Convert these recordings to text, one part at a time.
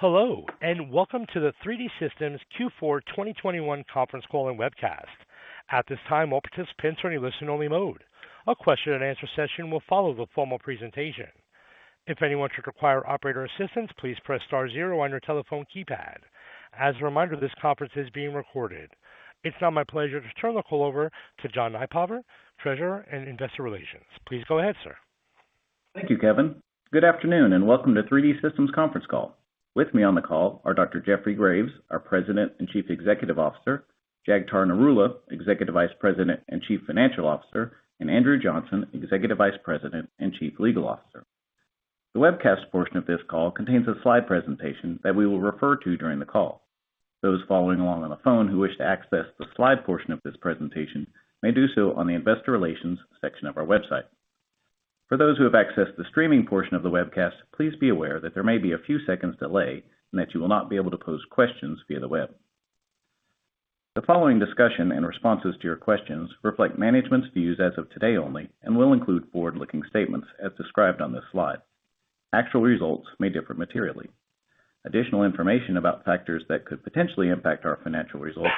Hello, and welcome to the 3D Systems Q4 2021 Conference Call and Webcast. At this time, all participants are in listen only mode. A question and answer session will follow the formal presentation. If anyone should require operator assistance, please press star zero on your telephone keypad. As a reminder, this conference is being recorded. It's now my pleasure to turn the call over to John Nypaver, Treasurer and Investor Relations. Please go ahead, sir. Thank you Kevin. Good afternoon, and welcome to 3D Systems conference call. With me on the call are Dr. Jeffrey Graves, our President and Chief Executive Officer, Jagtar Narula, Executive Vice President and Chief Financial Officer, and Andrew Johnson, Executive Vice President and Chief Legal Officer. The webcast portion of this call contains a slide presentation that we will refer to during the call. Those following along on the phone who wish to access the slide portion of this presentation may do so on the investor relations section of our website. For those who have accessed the streaming portion of the webcast, please be aware that there may be a few seconds delay and that you will not be able to pose questions via the web. The following discussion and responses to your questions reflect management's views as of today only and will include forward-looking statements as described on this slide. Actual results may differ materially. Additional information about factors that could potentially impact our financial results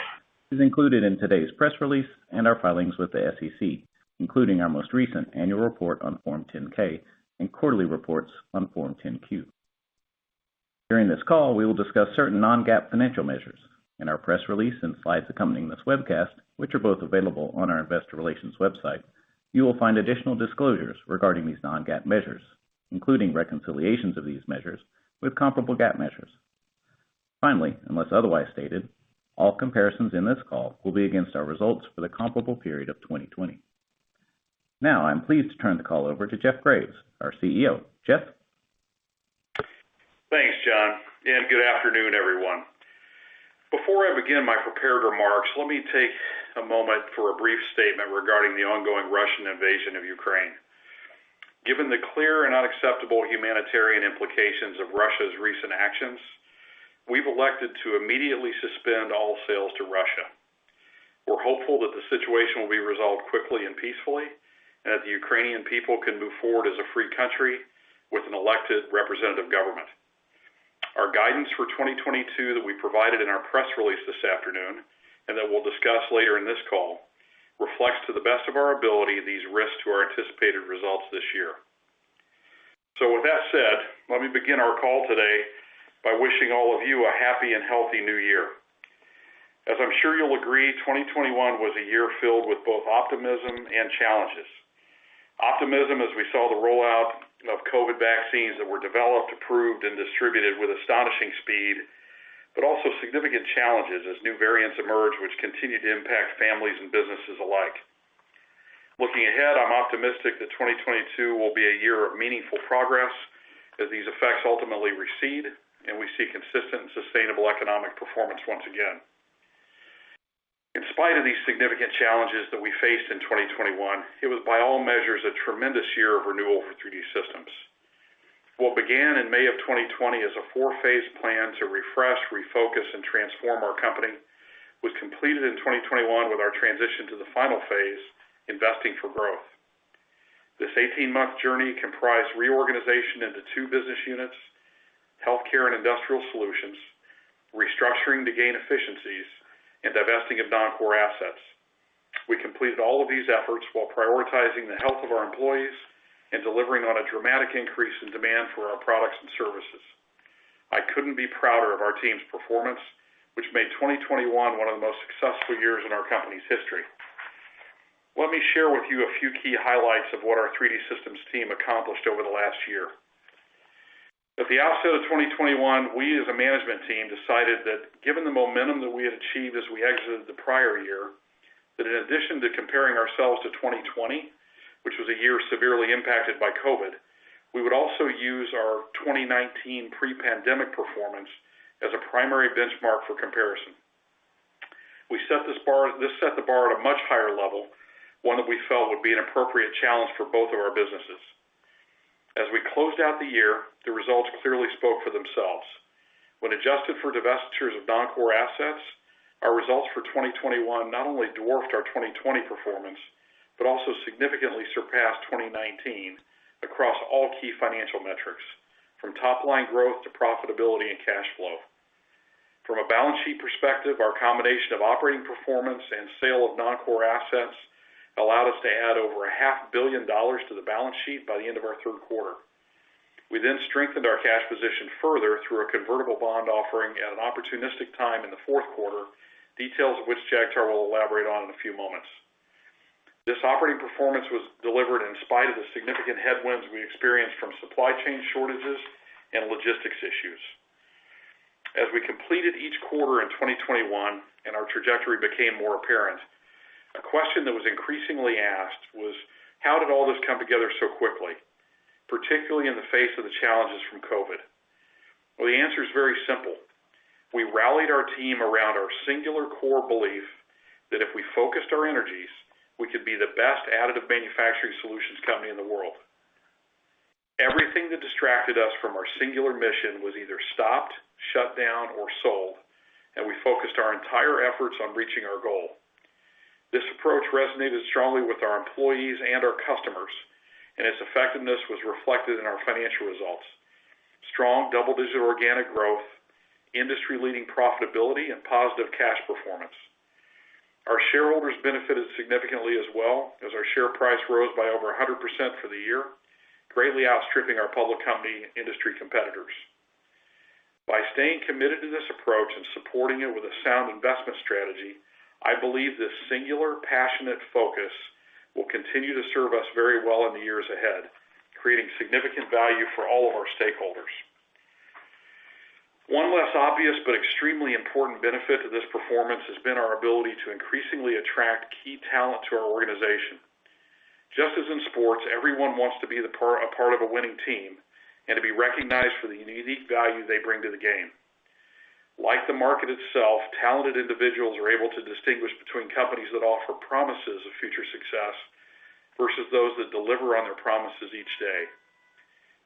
is included in today's press release and our filings with the SEC, including our most recent annual report on Form 10-K and quarterly reports on Form 10-Q. During this call, we will discuss certain non-GAAP financial measures. In our press release and slides accompanying this webcast, which are both available on our investor relations website, you will find additional disclosures regarding these non-GAAP measures, including reconciliations of these measures with comparable GAAP measures. Finally, unless otherwise stated, all comparisons in this call will be against our results for the comparable period of 2020. Now, I'm pleased to turn the call over to Jeff Graves, our CEO. Jeff? Thanks, John, and good afternoon, everyone. Before I begin my prepared remarks, let me take a moment for a brief statement regarding the ongoing Russian invasion of Ukraine. Given the clear and unacceptable humanitarian implications of Russia's recent actions, we've elected to immediately suspend all sales to Russia. We're hopeful that the situation will be resolved quickly and peacefully, and that the Ukrainian people can move forward as a free country with an elected representative government. Our guidance for 2022 that we provided in our press release this afternoon, and that we'll discuss later in this call, reflects to the best of our ability these risks to our anticipated results this year. With that said, let me begin our call today by wishing all of you a happy and healthy new year. As I'm sure you'll agree, 2021 was a year filled with both optimism and challenges. Optimism as we saw the rollout of COVID vaccines that were developed, approved, and distributed with astonishing speed, but also significant challenges as new variants emerge, which continue to impact families and businesses alike. Looking ahead, I'm optimistic that 2022 will be a year of meaningful progress as these effects ultimately recede, and we see consistent and sustainable economic performance once again. In spite of these significant challenges that we faced in 2021, it was by all measures a tremendous year of renewal for 3D Systems. What began in May of 2020 as a four-phase plan to refresh, refocus, and transform our company was completed in 2021 with our transition to the final phase, investing for growth. This 18-month journey comprised reorganization into two business units, healthcare and industrial solutions, restructuring to gain efficiencies, and divesting of non-core assets. We completed all of these efforts while prioritizing the health of our employees and delivering on a dramatic increase in demand for our products and services. I couldn't be prouder of our team's performance, which made 2021 one of the most successful years in our company's history. Let me share with you a few key highlights of what our 3D Systems team accomplished over the last year. At the outset of 2021, we as a management team decided that given the momentum that we had achieved as we exited the prior year, that in addition to comparing ourselves to 2020, which was a year severely impacted by COVID, we would also use our 2019 pre-pandemic performance as a primary benchmark for comparison. This set the bar at a much higher level, one that we felt would be an appropriate challenge for both of our businesses. As we closed out the year, the results clearly spoke for themselves. When adjusted for divestitures of non-core assets, our results for 2021 not only dwarfed our 2020 performance, but also significantly surpassed 2019 across all key financial metrics, from top-line growth to profitability and cash flow. From a balance sheet perspective, our combination of operating performance and sale of non-core assets allowed us to add over a half billion dollars to the balance sheet by the end of our third quarter. We then strengthened our cash position further through a convertible bond offering at an opportunistic time in the fourth quarter, details of which Jagtar will elaborate on in a few moments. This operating performance was delivered in spite of the significant headwinds we experienced from supply chain shortages and logistics issues. As we completed each quarter in 2021 and our trajectory became more apparent, a question that was increasingly asked was, "How did all this come together so quickly, particularly in the face of the challenges from COVID?" Well, the answer is very simple. We rallied our team around our singular core belief that if we focused our energies, we could be the best additive manufacturing solutions company in the world. Everything that distracted us from our singular mission was either stopped, shut down, or sold, and we focused our entire efforts on reaching our goal. This approach resonated strongly with our employees and our customers, and its effectiveness was reflected in our financial results. Strong double-digit organic growth, industry-leading profitability, and positive cash performance. Our shareholders benefited significantly as well, as our share price rose by over 100% for the year, greatly outstripping our public company industry competitors. By staying committed to this approach and supporting it with a sound investment strategy, I believe this singular passionate focus will continue to serve us very well in the years ahead, creating significant value for all of our stakeholders. One less obvious but extremely important benefit to this performance has been our ability to increasingly attract key talent to our organization. Just as in sports, everyone wants to be a part of a winning team and to be recognized for the unique value they bring to the game. Like the market itself, talented individuals are able to distinguish between companies that offer promises of future success versus those that deliver on their promises each day.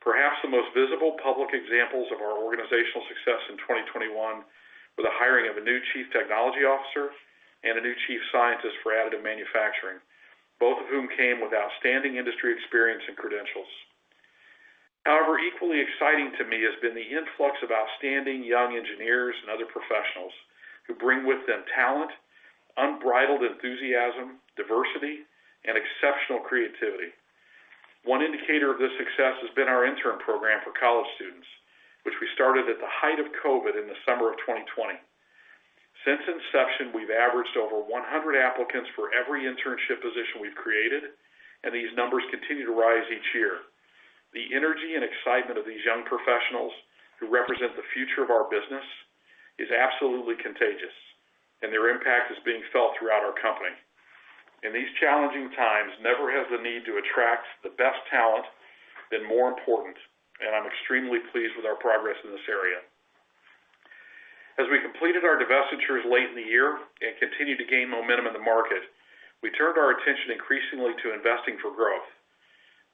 Perhaps the most visible public examples of our organizational success in 2021 were the hiring of a new chief technology officer and a new chief scientist for additive manufacturing, both of whom came with outstanding industry experience and credentials. However, equally exciting to me has been the influx of outstanding young engineers and other professionals who bring with them talent, unbridled enthusiasm, diversity, and exceptional creativity. One indicator of this success has been our intern program for college students, which we started at the height of COVID in the summer of 2020. Since inception, we've averaged over 100 applicants for every internship position we've created, and these numbers continue to rise each year. The energy and excitement of these young professionals who represent the future of our business is absolutely contagious, and their impact is being felt throughout our company. In these challenging times, never has the need to attract the best talent been more important, and I'm extremely pleased with our progress in this area. As we completed our divestitures late in the year and continued to gain momentum in the market, we turned our attention increasingly to investing for growth.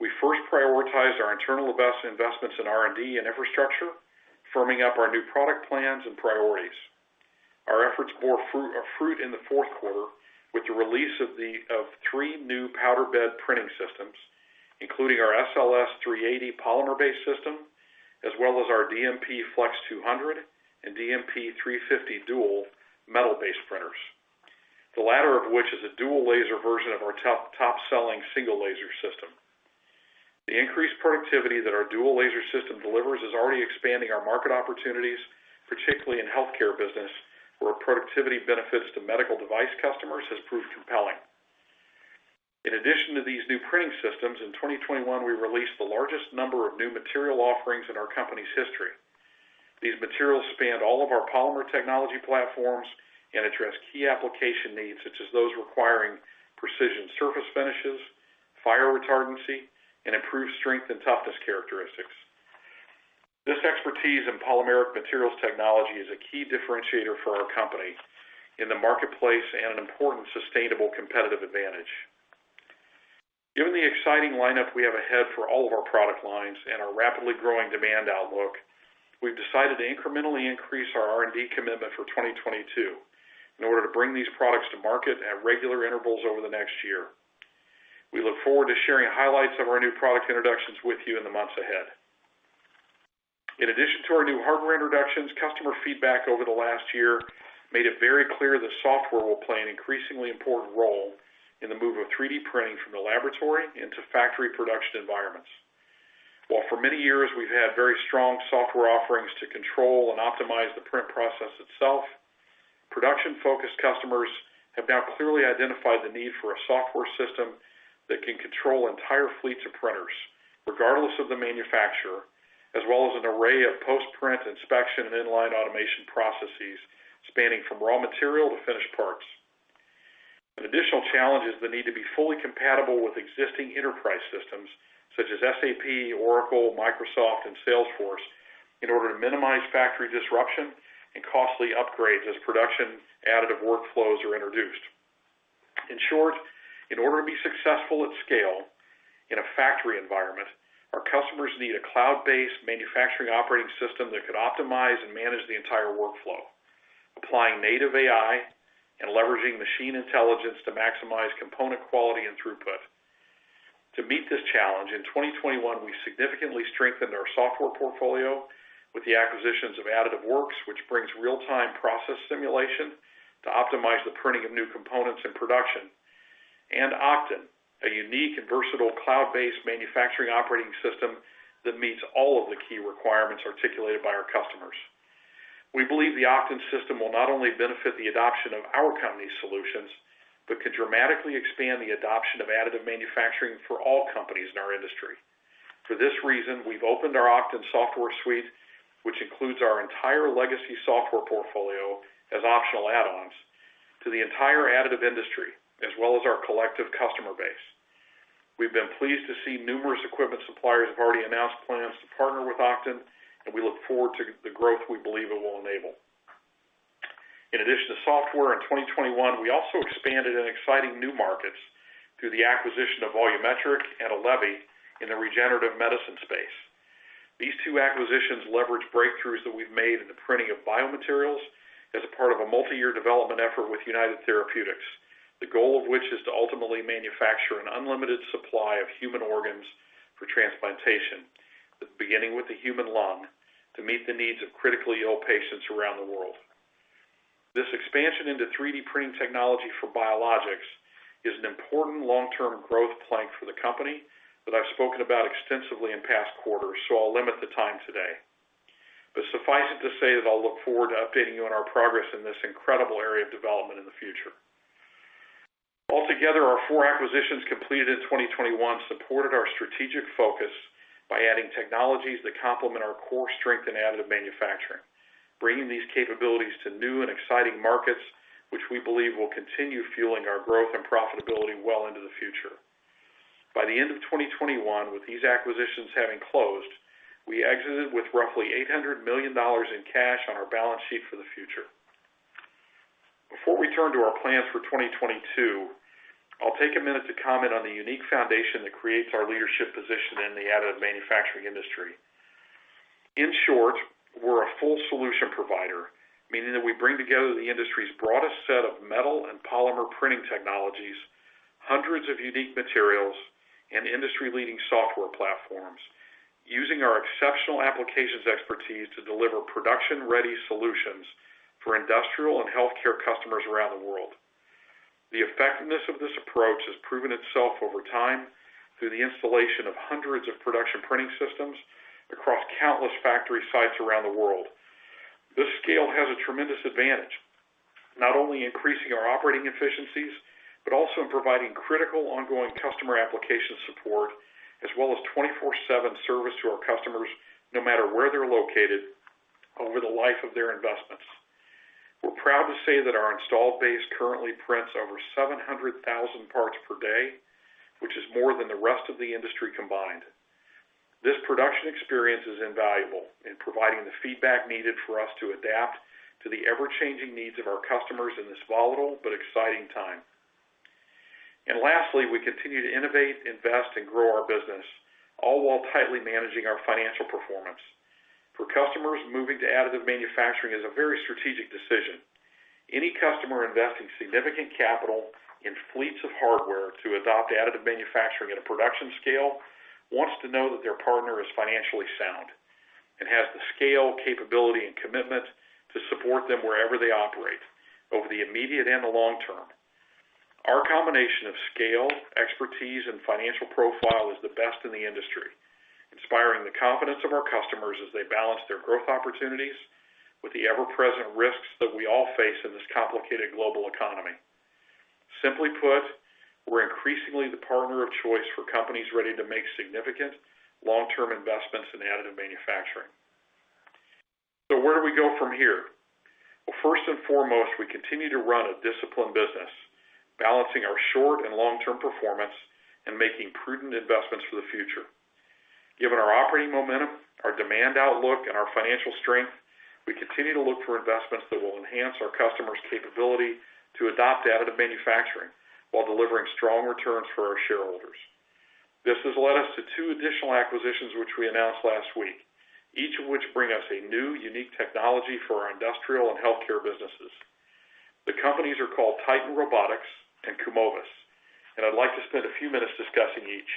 We first prioritized our internal investments in R&D and infrastructure, firming up our new product plans and priorities. Our efforts bore fruit in the fourth quarter with the release of three new powder bed printing systems, including our SLS 380 polymer-based system, as well as our DMP Flex 200 and DMP 350 Dual metal-based printers. The latter of which is a dual laser version of our top-selling single laser system. The increased productivity that our dual laser system delivers is already expanding our market opportunities, particularly in healthcare business, where our productivity benefits to medical device customers has proved compelling. In addition to these new printing systems, in 2021, we released the largest number of new material offerings in our company's history. These materials span all of our polymer technology platforms and address key application needs, such as those requiring precision surface finishes, fire retardancy, and improved strength and toughness characteristics. This expertise in polymeric materials technology is a key differentiator for our company in the marketplace and an important sustainable competitive advantage. Given the exciting lineup we have ahead for all of our product lines and our rapidly growing demand outlook, we've decided to incrementally increase our R&D commitment for 2022 in order to bring these products to market at regular intervals over the next year. We look forward to sharing highlights of our new product introductions with you in the months ahead. In addition to our new hardware introductions, customer feedback over the last year made it very clear that software will play an increasingly important role in the move of 3D printing from the laboratory into factory production environments. While for many years we've had very strong software offerings to control and optimize the print process itself, production-focused customers have now clearly identified the need for a software system that can control entire fleets of printers, regardless of the manufacturer, as well as an array of post-print inspection and inline automation processes spanning from raw material to finished parts. An additional challenge is the need to be fully compatible with existing enterprise systems such as SAP, Oracle, Microsoft, and Salesforce in order to minimize factory disruption and costly upgrades as production additive workflows are introduced. In short, in order to be successful at scale in a factory environment, our customers need a cloud-based manufacturing operating system that could optimize and manage the entire workflow, applying native AI and leveraging machine intelligence to maximize component quality and throughput. To meet this challenge, in 2021, we significantly strengthened our software portfolio with the acquisitions of Additive Works, which brings real-time process simulation to optimize the printing of new components in production, and Oqton, a unique and versatile cloud-based manufacturing operating system that meets all of the key requirements articulated by our customers. We believe the Oqton system will not only benefit the adoption of our company's solutions, but could dramatically expand the adoption of additive manufacturing for all companies in our industry. For this reason, we've opened our Oqton software suite, which includes our entire legacy software portfolio as optional add-ons to the entire additive industry as well as our collective customer base. We've been pleased to see numerous equipment suppliers have already announced plans to partner with Oqton, and we look forward to the growth we believe it will enable. In addition to software, in 2021, we also expanded in exciting new markets through the acquisition of Volumetric and Allevi in the regenerative medicine space. These two acquisitions leverage breakthroughs that we've made in the printing of biomaterials as a part of a multi-year development effort with United Therapeutics, the goal of which is to ultimately manufacture an unlimited supply of human organs for transplantation, beginning with the human lung, to meet the needs of critically ill patients around the world. This expansion into 3D printing technology for biologics is an important long-term growth plank for the company that I've spoken about extensively in past quarters, so I'll limit the time today. Suffice it to say that I'll look forward to updating you on our progress in this incredible area of development in the future. Altogether, our four acquisitions completed in 2021 supported our strategic focus by adding technologies that complement our core strength in additive manufacturing, bringing these capabilities to new and exciting markets, which we believe will continue fueling our growth and profitability well into the future. By the end of 2021, with these acquisitions having closed, we exited with roughly $800 million in cash on our balance sheet for the future. Before we turn to our plans for 2022, I'll take a minute to comment on the unique foundation that creates our leadership position in the additive manufacturing industry. In short, we're a full solution provider, meaning that we bring together the industry's broadest set of metal and polymer printing technologies, hundreds of unique materials, and industry-leading software platforms using our exceptional applications expertise to deliver production-ready solutions for industrial and healthcare customers around the world. The effectiveness of this approach has proven `itself over time through the installation of hundreds of production printing systems across countless factory sites around the world. This scale has a tremendous advantage, not only increasing our operating efficiencies, but also in providing critical ongoing customer application support, as well as 24/7 service to our customers, no matter where they're located over the life of their investments. We're proud to say that our installed base currently prints over 700,000 parts per day, which is more than the rest of the industry combined. This production experience is invaluable in providing the feedback needed for us to adapt to the ever-changing needs of our customers in this volatile but exciting time. Lastly, we continue to innovate, invest, and grow our business all while tightly managing our financial performance. For customers, moving to additive manufacturing is a very strategic decision. Any customer investing significant capital in fleets of hardware to adopt additive manufacturing at a production scale wants to know that their partner is financially sound and has the scale, capability, and commitment to support them wherever they operate over the immediate and the long term. Our combination of scale, expertise, and financial profile is the best in the industry, inspiring the confidence of our customers as they balance their growth opportunities with the ever-present risks that we all face in this complicated global economy. Simply put, we're increasingly the partner of choice for companies ready to make significant long-term investments in additive manufacturing. Where do we go from here? Well, first and foremost, we continue to run a disciplined business, balancing our short and long-term performance and making prudent investments for the future. Given our operating momentum, our demand outlook, and our financial strength, we continue to look for investments that will enhance our customers' capability to adopt additive manufacturing while delivering strong returns for our shareholders. This has led us to two additional acquisitions, which we announced last week, each of which bring us a new, unique technology for our industrial and healthcare businesses. The companies are called Titan Robotics and Kumovis, and I'd like to spend a few minutes discussing each.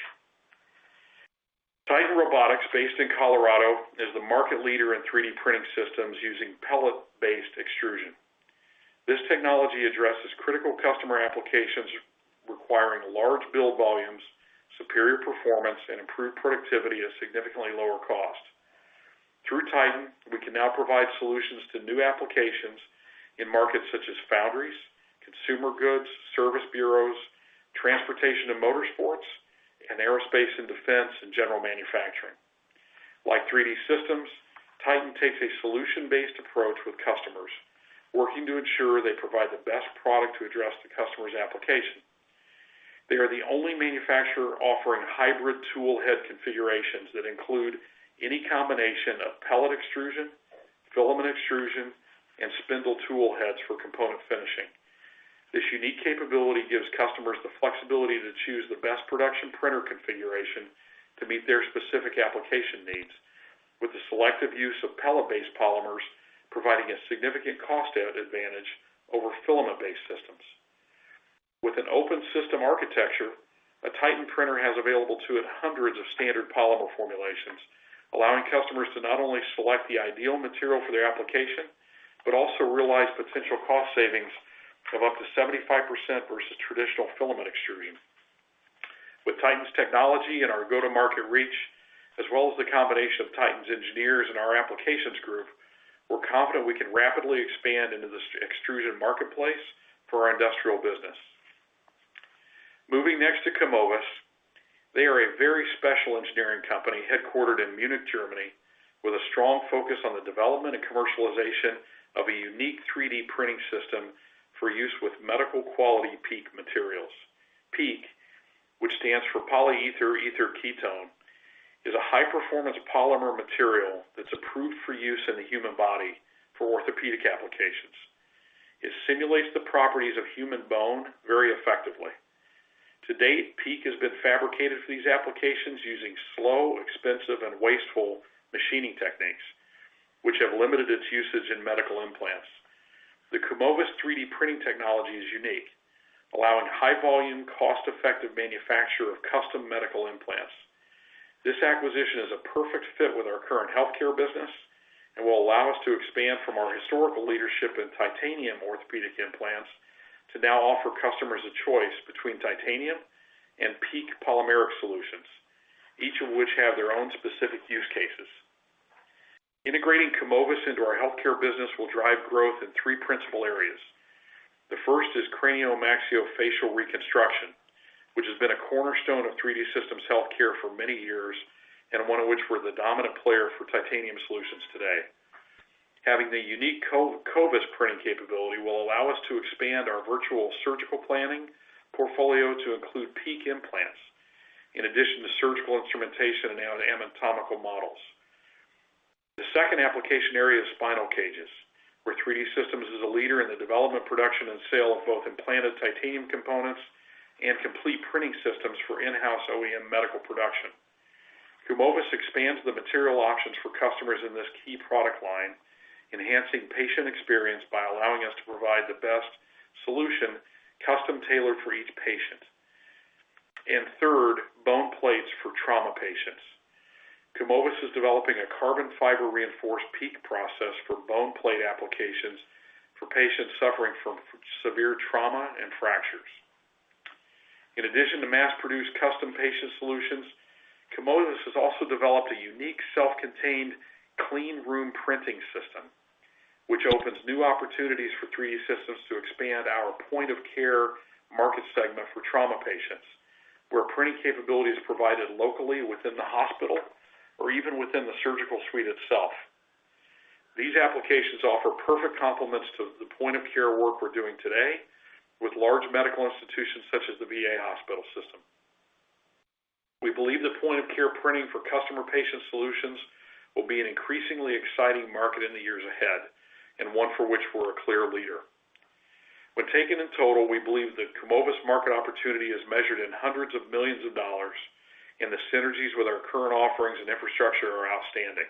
Titan Robotics, based in Colorado, is the market leader in 3D printing systems using pellet-based extrusion. This technology addresses critical customer applications requiring large build volumes, superior performance, and improved productivity at significantly lower cost. Through Titan, we can now provide solutions to new applications in markets such as foundries, consumer goods, service bureaus, transportation and motorsports, and aerospace and defense, and general manufacturing. Like 3D Systems, Titan takes a solution-based approach with customers, working to ensure they provide the best product to address the customer's application. They are the only manufacturer offering hybrid tool head configurations that include any combination of pellet extrusion, filament extrusion, and spindle tool heads for component finishing. This unique capability gives customers the flexibility to choose the best production printer configuration to meet their specific application needs with the selective use of pellet-based polymers, providing a significant cost advantage over filament-based systems. With an open system architecture, a Titan printer has available to it hundreds of standard polymer formulations, allowing customers to not only select the ideal material for their application, but also realize potential cost savings of up to 75% versus traditional filament extrusion. With Titan's technology and our go-to-market reach, as well as the combination of Titan's engineers and our applications group, we're confident we can rapidly expand into this extrusion marketplace for our industrial business. Moving next to Kumovis. They are a very special engineering company headquartered in Munich, Germany, with a strong focus on the development and commercialization of a unique 3D printing system for use with medical-quality PEEK materials. PEEK, which stands for polyether ether ketone, is a high-performance polymer material that's approved for use in the human body for orthopedic applications. It simulates the properties of human bone very effectively. To date, PEEK has been fabricated for these applications using slow, expensive, and wasteful machining techniques, which have limited its usage in medical implants. The Kumovis 3D printing technology is unique, allowing high volume, cost-effective manufacture of custom medical implants. This acquisition is a perfect fit with our current healthcare business and will allow us to expand from our historical leadership in titanium orthopedic implants to now offer customers a choice between titanium and PEEK polymeric solutions, each of which have their own specific use cases. Integrating Kumovis into our healthcare business will drive growth in three principal areas. The first is craniomaxillofacial reconstruction, which has been a cornerstone of 3D Systems Healthcare for many years, and one of which we're the dominant player for titanium solutions today. Having the unique Kumovis printing capability will allow us to expand our virtual surgical planning portfolio to include PEEK implants in addition to surgical instrumentation and anatomical models. The second application area is spinal cages, where 3D Systems is a leader in the development, production, and sale of both implanted titanium components and complete printing systems for in-house OEM medical production. Kumovis expands the material options for customers in this key product line, enhancing patient experience by allowing us to provide the best solution custom tailored for each patient. Third, bone plates for trauma patients. Kumovis is developing a carbon fiber reinforced PEEK process for bone plate applications for patients suffering from severe trauma and fractures. In addition to mass-produced custom patient solutions, Kumovis has also developed a unique self-contained clean room printing system, which opens new opportunities for 3D Systems to expand our point-of-care market segment for trauma patients, where printing capability is provided locally within the hospital or even within the surgical suite itself. These applications offer perfect complements to the point-of-care work we're doing today with large medical institutions such as the VA hospital system. We believe that point-of-care printing for custom patient solutions will be an increasingly exciting market in the years ahead, and one for which we're a clear leader. When taken in total, we believe that Kumovis market opportunity is measured in hundreds of millions dollars, and the synergies with our current offerings and infrastructure are outstanding.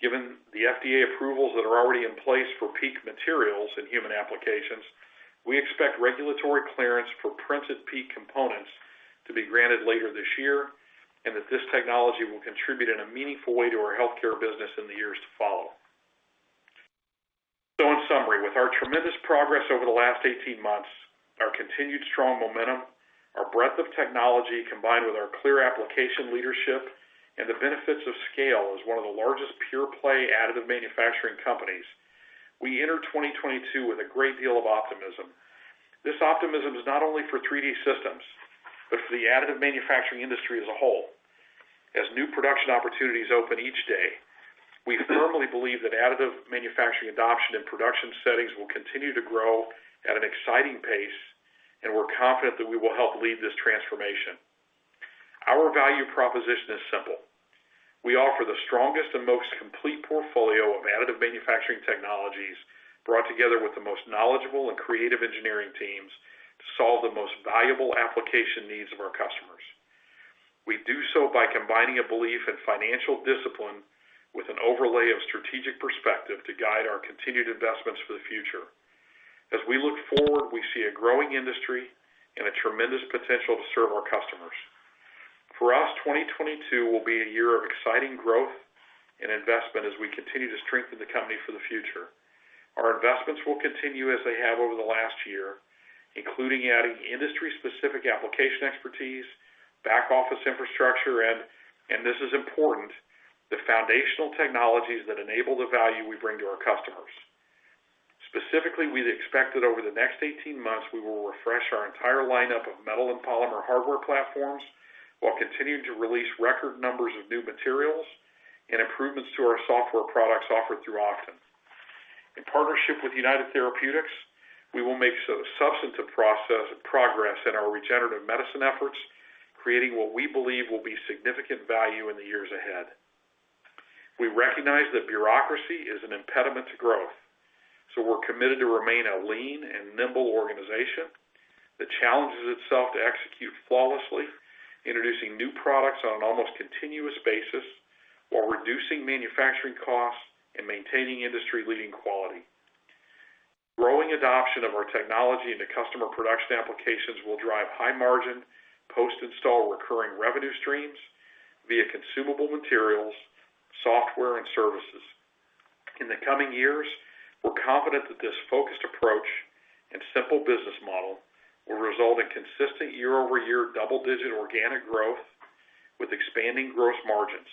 Given the FDA approvals that are already in place for PEEK materials in human applications, we expect regulatory clearance for printed PEEK components to be granted later this year, and that this technology will contribute in a meaningful way to our healthcare business in the years to follow. In summary, with our tremendous progress over the last 18 months, our continued strong momentum, our breadth of technology combined with our clear application leadership and the benefits of scale as one of the largest pure play additive manufacturing companies, we enter 2022 with a great deal of optimism. This optimism is not only for 3D Systems, but for the additive manufacturing industry as a whole. As new production opportunities open each day, we firmly believe that additive manufacturing adoption in production settings will continue to grow at an exciting pace, and we're confident that we will help lead this transformation. Our value proposition is simple. We offer the strongest and most complete portfolio of additive manufacturing technologies brought together with the most knowledgeable and creative engineering teams to solve the most valuable application needs of our customers. We do so by combining a belief in financial discipline with an overlay of strategic perspective to guide our continued investments for the future. As we look forward, we see a growing industry and a tremendous potential to serve our customers. For us, 2022 will be a year of exciting growth and investment as we continue to strengthen the company for the future. Our investments will continue as they have over the last year, including adding industry-specific application expertise, back office infrastructure, and this is important, the foundational technologies that enable the value we bring to our customers. Specifically, we'd expect that over the next 18 months, we will refresh our entire lineup of metal and polymer hardware platforms while continuing to release record numbers of new materials and improvements to our software products offered through Oqton. In partnership with United Therapeutics, we will make substantive progress in our regenerative medicine efforts, creating what we believe will be significant value in the years ahead. We recognize that bureaucracy is an impediment to growth, so we're committed to remain a lean and nimble organization that challenges itself to execute flawlessly, introducing new products on an almost continuous basis while reducing manufacturing costs and maintaining industry-leading quality. Growing adoption of our technology into customer production applications will drive high margin post install recurring revenue streams via consumable materials, software, and services. In the coming years, we're confident that this focused approach and simple business model will result in consistent year-over-year double-digit organic growth with expanding gross margins.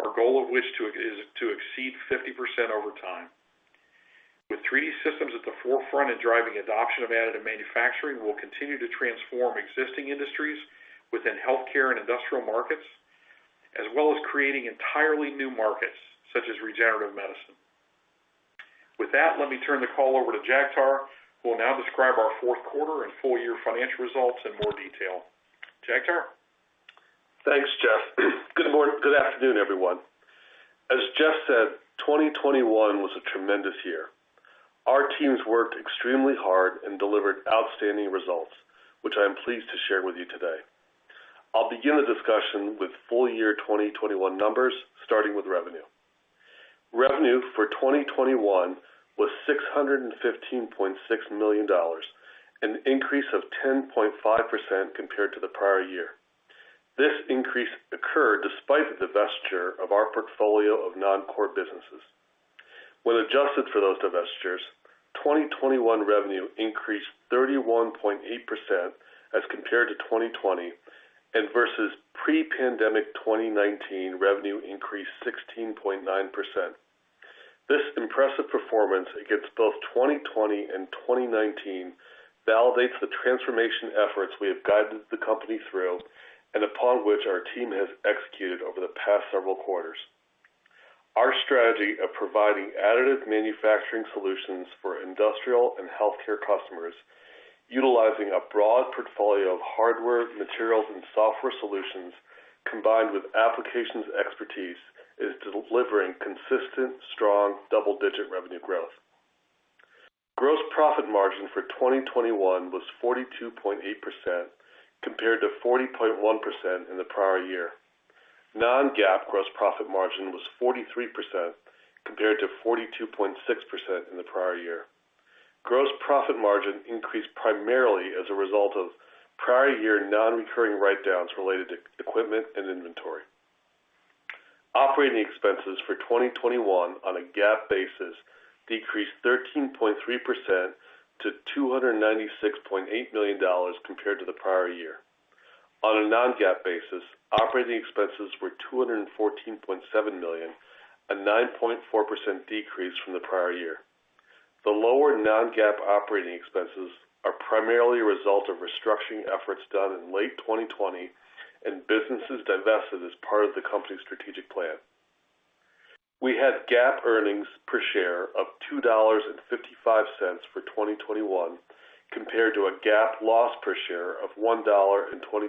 Our goal, which is to exceed 50% over time. With 3D Systems at the forefront in driving adoption of additive manufacturing, we will continue to transform existing industries within healthcare and industrial markets, as well as creating entirely new markets such as regenerative medicine. With that, let me turn the call over to Jagtar, who will now describe our fourth quarter and full year financial results in more detail. Jagtar? Thanks, Jeff. Good afternoon, everyone. As Jeff said, 2021 was a tremendous year. Our teams worked extremely hard and delivered outstanding results, which I am pleased to share with you today. I'll begin the discussion with full year 2021 numbers, starting with revenue. Revenue for 2021 was $615.6 million, an increase of 10.5% compared to the prior year. This increase occurred despite the divestiture of our portfolio of non-core businesses. When adjusted for those divestitures, 2021 revenue increased 31.8% as compared to 2020, and versus pre-pandemic 2019, revenue increased 16.9%. This impressive performance against both 2020 and 2019 validates the transformation efforts we have guided the company through and upon which our team has executed over the past several quarters. Our strategy of providing additive manufacturing solutions for industrial and healthcare customers, utilizing a broad portfolio of hardware, materials, and software solutions combined with applications expertise, is delivering consistent, strong double-digit revenue growth. Gross profit margin for 2021 was 42.8% compared to 40.1% in the prior year. Non-GAAP gross profit margin was 43% compared to 42.6% in the prior year. Gross profit margin increased primarily as a result of prior year non-recurring write-downs related to equipment and inventory. Operating expenses for 2021 on a GAAP basis decreased 13.3% to $296.8 million compared to the prior year. On a non-GAAP basis, operating expenses were $214.7 million, a 9.4% decrease from the prior year. The lower non-GAAP operating expenses are primarily a result of restructuring efforts done in late 2020 and businesses divested as part of the company's strategic plan. We had GAAP earnings per share of $2.55 for 2021 compared to a GAAP loss per share of $1.27 in 2020.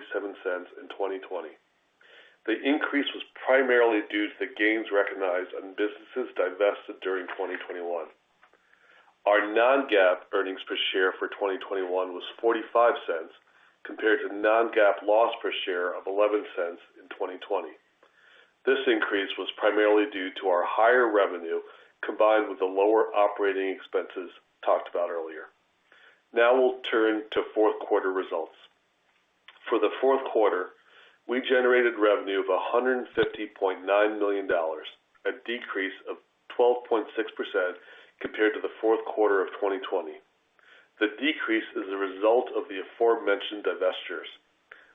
The increase was primarily due to the gains recognized on businesses divested during 2021. Our non-GAAP earnings per share for 2021 was $0.45 compared to non-GAAP loss per share of $0.11 in 2020. This increase was primarily due to our higher revenue combined with the lower operating expenses talked about earlier. Now we'll turn to fourth quarter results. For the fourth quarter, we generated revenue of $150.9 million, a decrease of 12.6% compared to the fourth quarter of 2020. The decrease is a result of the aforementioned divestitures.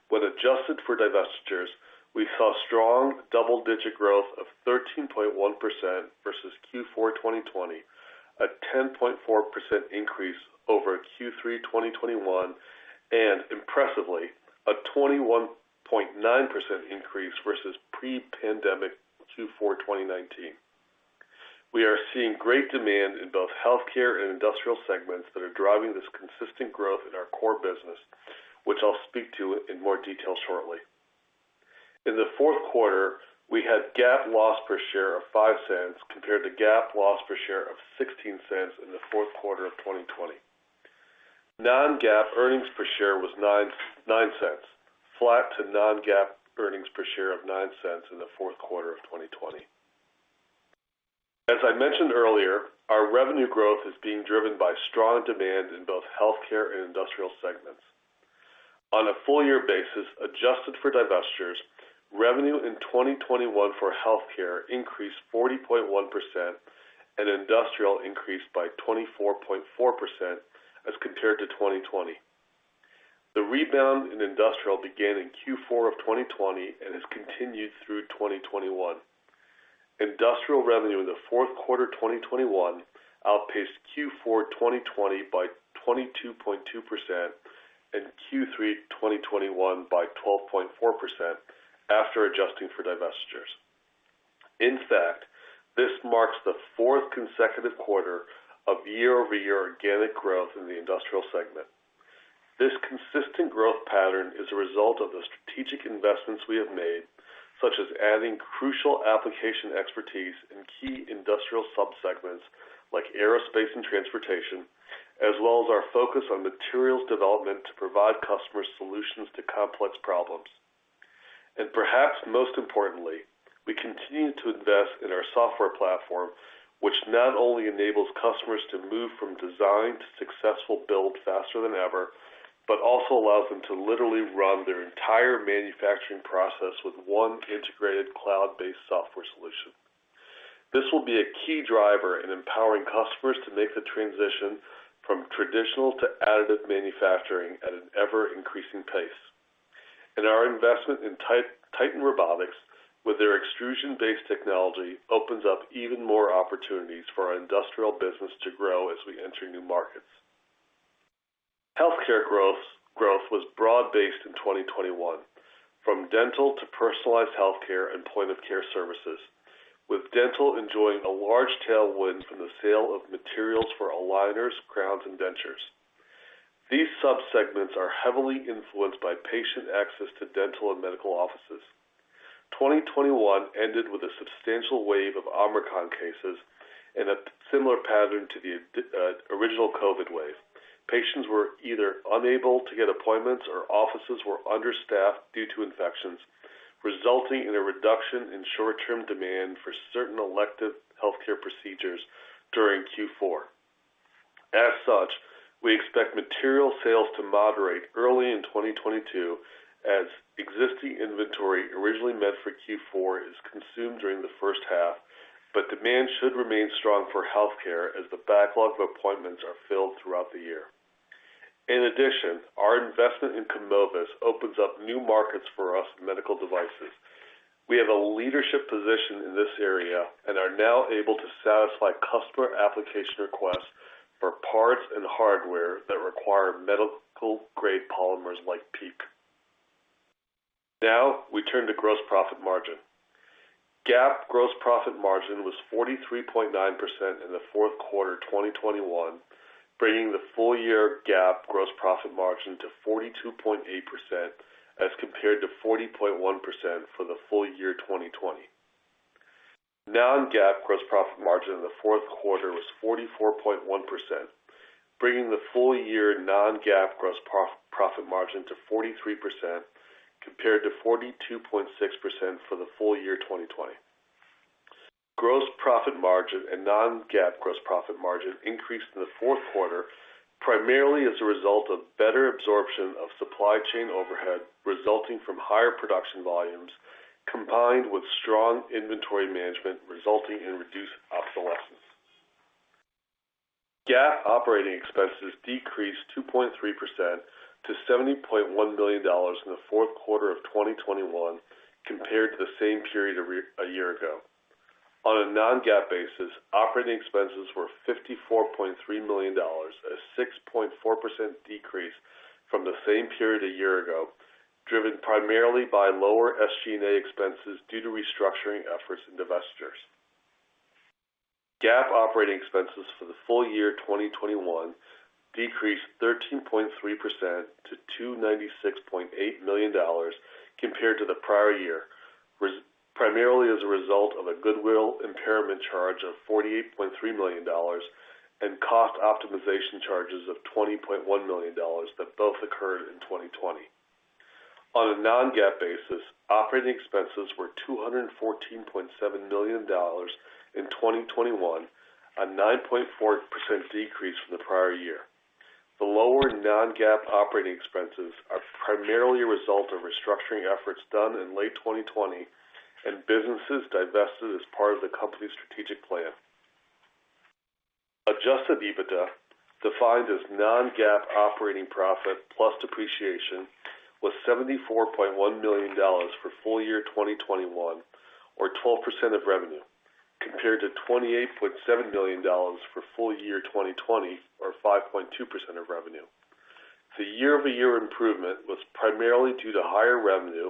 When adjusted for divestitures, we saw strong double-digit growth of 13.1% versus Q4 2020, a 10.4% increase over Q3 2021, and impressively, a 21.9% increase versus pre-pandemic Q4 2019. We are seeing great demand in both Healthcare and Industrial segments that are driving this consistent growth in our core business, which I'll speak to in more detail shortly. In the fourth quarter, we had GAAP loss per share of $0.05 compared to GAAP loss per share of $0.16 in the fourth quarter of 2020. Non-GAAP earnings per share was $0.09, flat to non-GAAP earnings per share of $0.09 in the fourth quarter of 2020. Our revenue growth is being driven by strong demand in both Healthcare and Industrial segments. On a full year basis, adjusted for divestitures, revenue in 2021 for Healthcare increased 40.1% and Industrial increased by 24.4% as compared to 2020. The rebound in Industrial began in Q4 of 2020 and has continued through 2021. Industrial revenue in the fourth quarter 2021 outpaced Q4 2020 by 22.2% and Q3 2021 by 12.4% after adjusting for divestitures. This marks the fourth consecutive quarter of year-over-year organic growth in the Industrial segment. This consistent growth pattern is a result of the strategic investments we have made, such as adding crucial application expertise in key industrial sub-segments like aerospace and transportation, as well as our focus on materials development to provide customers solutions to complex problems. Perhaps most importantly, we continue to invest in our software platform, which not only enables customers to move from design to successful build faster than ever, but also allows them to literally run their entire manufacturing process with one integrated cloud-based software solution. This will be a key driver in empowering customers to make the transition from traditional to additive manufacturing at an ever-increasing pace. Our investment in Titan Robotics with their extrusion-based technology opens up even more opportunities for our industrial business to grow as we enter new markets. Healthcare growth was broad-based in 2021, from dental to personalized healthcare and point of care services, with dental enjoying a large tailwind from the sale of materials for aligners, crowns, and dentures. These subsegments are heavily influenced by patient access to dental and medical offices. 2021 ended with a substantial wave of Omicron cases in a similar pattern to the original COVID wave. Patients were either unable to get appointments or offices were understaffed due to infections, resulting in a reduction in short-term demand for certain elective healthcare procedures during Q4. As such, we expect material sales to moderate early in 2022 as existing inventory originally meant for Q4 is consumed during the first half, but demand should remain strong for healthcare as the backlog of appointments are filled throughout the year. In addition, our investment in Kumovis opens up new markets for us in medical devices. We have a leadership position in this area and are now able to satisfy customer application requests for parts and hardware that require medical-grade polymers like PEEK. Now we turn to gross profit margin. GAAP gross profit margin was 43.9% in the fourth quarter of 2021, bringing the full year GAAP gross profit margin to 42.8% as compared to 40.1% for the full year 2020. Non-GAAP gross profit margin in the fourth quarter was 44.1%, bringing the full year non-GAAP gross profit margin to 43% compared to 42.6% for the full year 2020. Gross profit margin and non-GAAP gross profit margin increased in the fourth quarter primarily as a result of better absorption of supply chain overhead resulting from higher production volumes, combined with strong inventory management resulting in reduced obsolescence. GAAP operating expenses decreased 2.3% to $70.1 million in the fourth quarter of 2021 compared to the same period a year ago. On a non-GAAP basis, operating expenses were $54.3 million, a 6.4% decrease from the same period a year ago, driven primarily by lower SG&A expenses due to restructuring efforts and divestitures. GAAP operating expenses for the full year 2021 decreased 13.3% to $296.8 million compared to the prior year, primarily as a result of a goodwill impairment charge of $48.3 million and cost optimization charges of $20.1 million that both occurred in 2020. On a non-GAAP basis, operating expenses were $214.7 million in 2021, a 9.4% decrease from the prior year. The lower non-GAAP operating expenses are primarily a result of restructuring efforts done in late 2020 and businesses divested as part of the company's strategic plan. Adjusted EBITDA, defined as non-GAAP operating profit plus depreciation, was $74.1 million for full year 2021, or 12% of revenue, compared to $28.7 million for full year 2020, or 5.2% of revenue. The year-over-year improvement was primarily due to higher revenue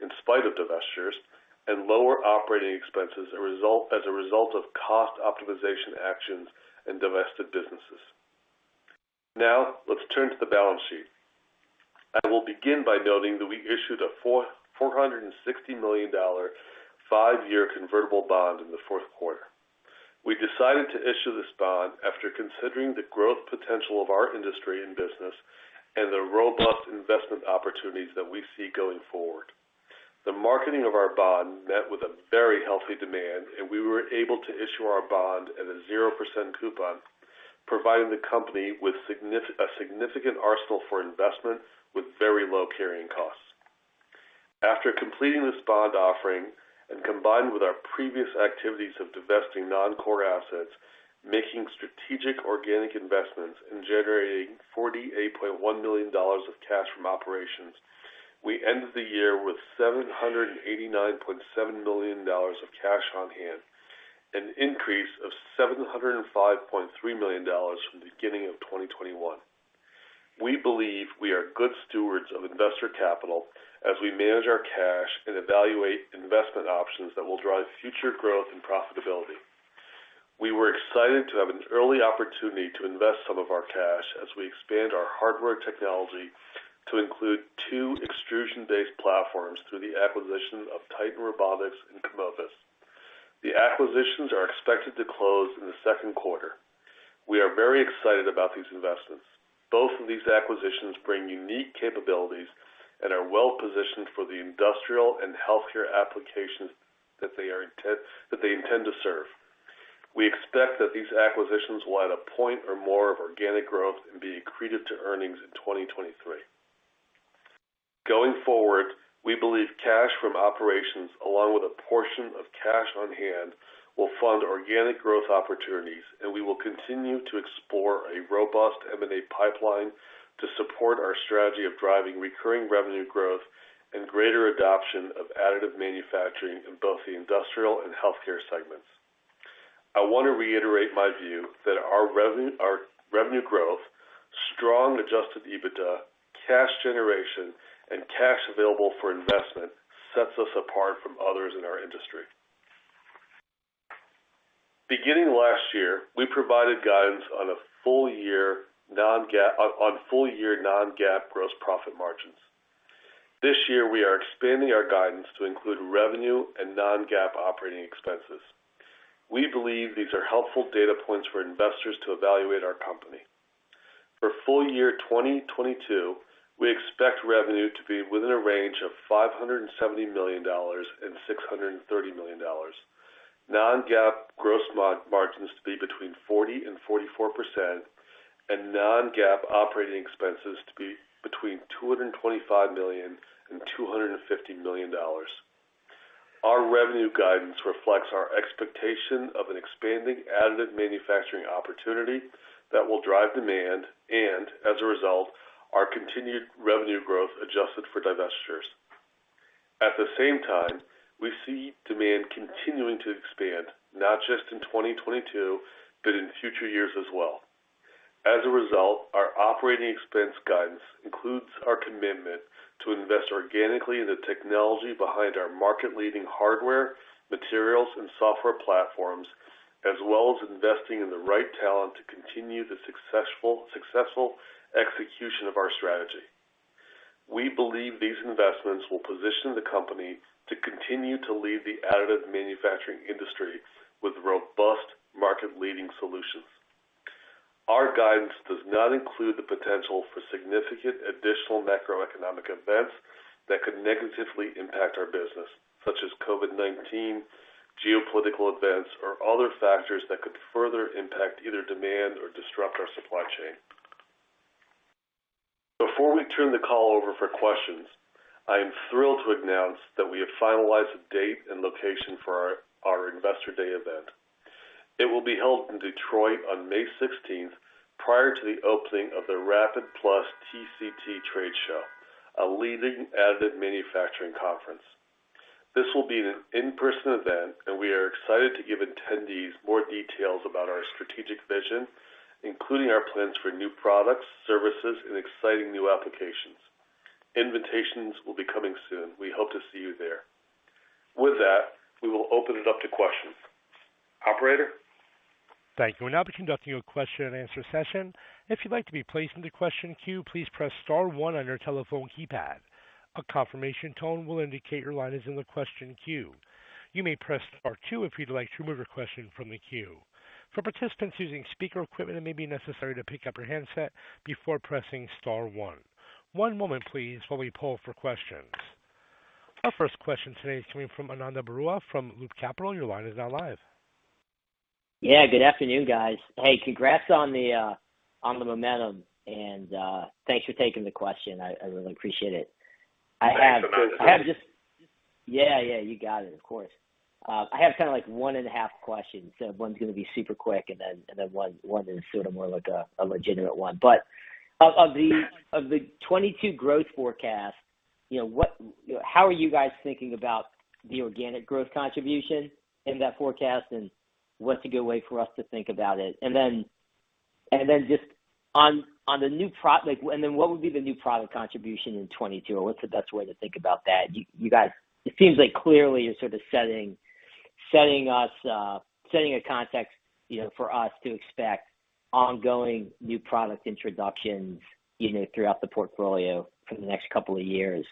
in spite of divestitures and lower operating expenses as a result of cost optimization actions and divested businesses. Now let's turn to the balance sheet. I will begin by noting that we issued a $460 million five-year convertible bond in the fourth quarter. We decided to issue this bond after considering the growth potential of our industry and business and the robust investment opportunities that we see going forward. The marketing of our bond met with a very healthy demand, and we were able to issue our bond at a 0% coupon, providing the company with a significant arsenal for investment with very low carrying costs. After completing this bond offering and combined with our previous activities of divesting non-core assets, making strategic organic investments, and generating $48.1 million of cash from operations, we ended the year with $789.7 million of cash on hand, an increase of $705.3 million from the beginning of 2021. We believe we are good stewards of investor capital as we manage our cash and evaluate investment options that will drive future growth and profitability. We were excited to have an early opportunity to invest some of our cash as we expand our hardware technology to include two extrusion-based platforms through the acquisition of Titan Robotics and Kumovis. The acquisitions are expected to close in the second quarter. We are very excited about these investments. Both of these acquisitions bring unique capabilities and are well positioned for the industrial and healthcare applications that they intend to serve. We expect that these acquisitions will add a point or more of organic growth and be accretive to earnings in 2023. Going forward, we believe cash from operations, along with a portion of cash on hand, will fund organic growth opportunities, and we will continue to explore a robust M&A pipeline to support our strategy of driving recurring revenue growth and greater adoption of additive manufacturing in both the industrial and healthcare segments. I want to reiterate my view that our revenue growth, strong adjusted EBITDA, cash generation, and cash available for investment sets us apart from others in our industry. Beginning last year, we provided guidance on full-year non-GAAP gross profit margins. This year we are expanding our guidance to include revenue and non-GAAP operating expenses. We believe these are helpful data points for investors to evaluate our company. For full year 2022, we expect revenue to be within a range of $570 million-$630 million. Non-GAAP gross margins to be between 40%-44% and non-GAAP operating expenses to be between $225 million-$250 million. Our revenue guidance reflects our expectation of an expanding additive manufacturing opportunity that will drive demand and as a result, our continued revenue growth adjusted for divestitures. At the same time, we see demand continuing to expand, not just in 2022, but in future years as well. As a result, our operating expense guidance includes our commitment to invest organically in the technology behind our market leading hardware, materials, and software platforms, as well as investing in the right talent to continue the successful execution of our strategy. We believe these investments will position the company to continue to lead the additive manufacturing industry with robust market-leading solutions. Our guidance does not include the potential for significant additional macroeconomic events that could negatively impact our business, such as COVID-19, geopolitical events or other factors that could further impact either demand or disrupt our supply chain. Before we turn the call over for questions, I am thrilled to announce that we have finalized the date and location for our Investor Day event. It will be held in Detroit on May sixteenth, prior to the opening of the RAPID+ TCT Trade Show, a leading additive manufacturing conference. This will be an in-person event, and we are excited to give attendees more details about our strategic vision, including our plans for new products, services, and exciting new applications. Invitations will be coming soon. We hope to see you there. With that, we will open it up to questions. Operator. Thank you. We'll now be conducting a question-and-answer session. If you'd like to be placed into the question queue, please press star one on your telephone keypad. A confirmation tone will indicate your line is in the question queue. You may press star two if you'd like to remove your question from the queue. For participants using speaker equipment, it may be necessary to pick up your handset before pressing star one. One moment please while we poll for questions. Our first question today is coming from Ananda Baruah from Loop Capital. Your line is now live. Good afternoon guys. Hey, congrats on the momentum and thanks for taking the question. I really appreciate it. I have- Thanks, Ananda. I have kind of like one and a half questions. So one's gonna be super quick and then one is sort of more like a legitimate one. Of the 2022 growth forecast, how are you guys thinking about the organic growth contribution in that forecast, and what's a good way for us to think about it? And then just on the new product contribution in 2022, or what's the best way to think about that? You guys, it seems like clearly you're sort of setting us, setting a context for us to expect ongoing new product introductions, you know, throughout the portfolio for the next couple of years.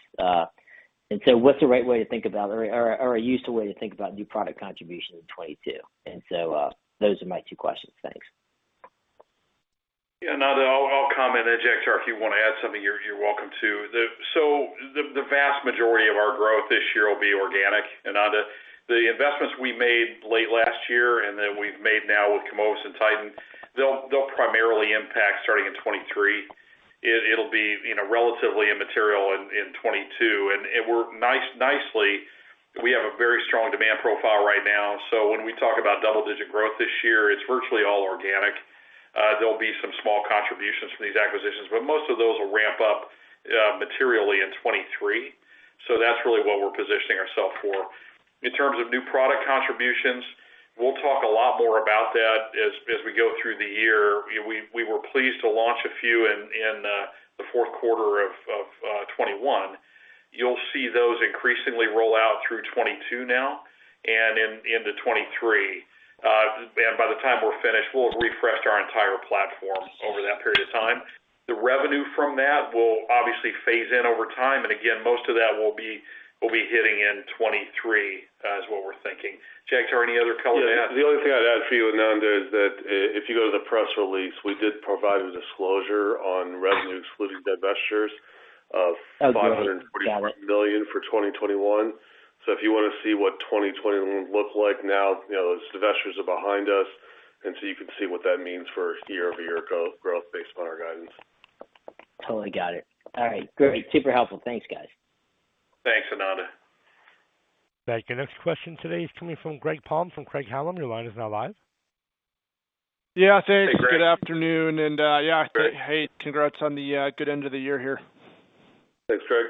What's the right way to think about or a useful way to think about new product contribution in 2022? Those are my two questions. Thanks. Yeah. Ananda, I'll comment and Jagtar, if you wanna add something, you're welcome to. The vast majority of our growth this year will be organic, Ananda. The investments we made late last year and that we've made now with Kumovis and Titan, they'll primarily impact starting in 2023. It'll be, you know, relatively immaterial in 2022. We have a very strong demand profile right now. When we talk about double-digit growth this year, it's virtually all organic. There'll be some small contributions from these acquisitions, but most of those will ramp up materially in 2023. That's really what we're positioning ourself for. In terms of new product contributions, we'll talk a lot more about that as we go through the year. You know, we were pleased to launch a few in the fourth quarter of 2021. You'll see those increasingly roll out through 2022 now and into 2023. By the time we're finished, we'll have refreshed our entire platform over that period of time. The revenue from that will obviously phase in over time, and again, most of that will be hitting in 2023, is what we're thinking. Jagtar, any other color to add? The only thing I'd add for you, Ananda, is that if you go to the press release, we did provide a disclosure on revenue excluding divestitures of- Oh, got it. Got it. $541 million for 2021. If you wanna see what 2021 looked like now, you know, as divestitures are behind us, and so you can see what that means for year-over-year growth based on our guidance. Totally got it. All right, great. Super helpful. Thanks, guys. Thanks, Ananda. Thank you. Next question today is coming from Greg Palm from Craig-Hallum. Your line is now live. Yeah, thanks. Hey, Greg. Good afternoon. Great. Hey, congrats on the good end of the year here. Thanks, Greg.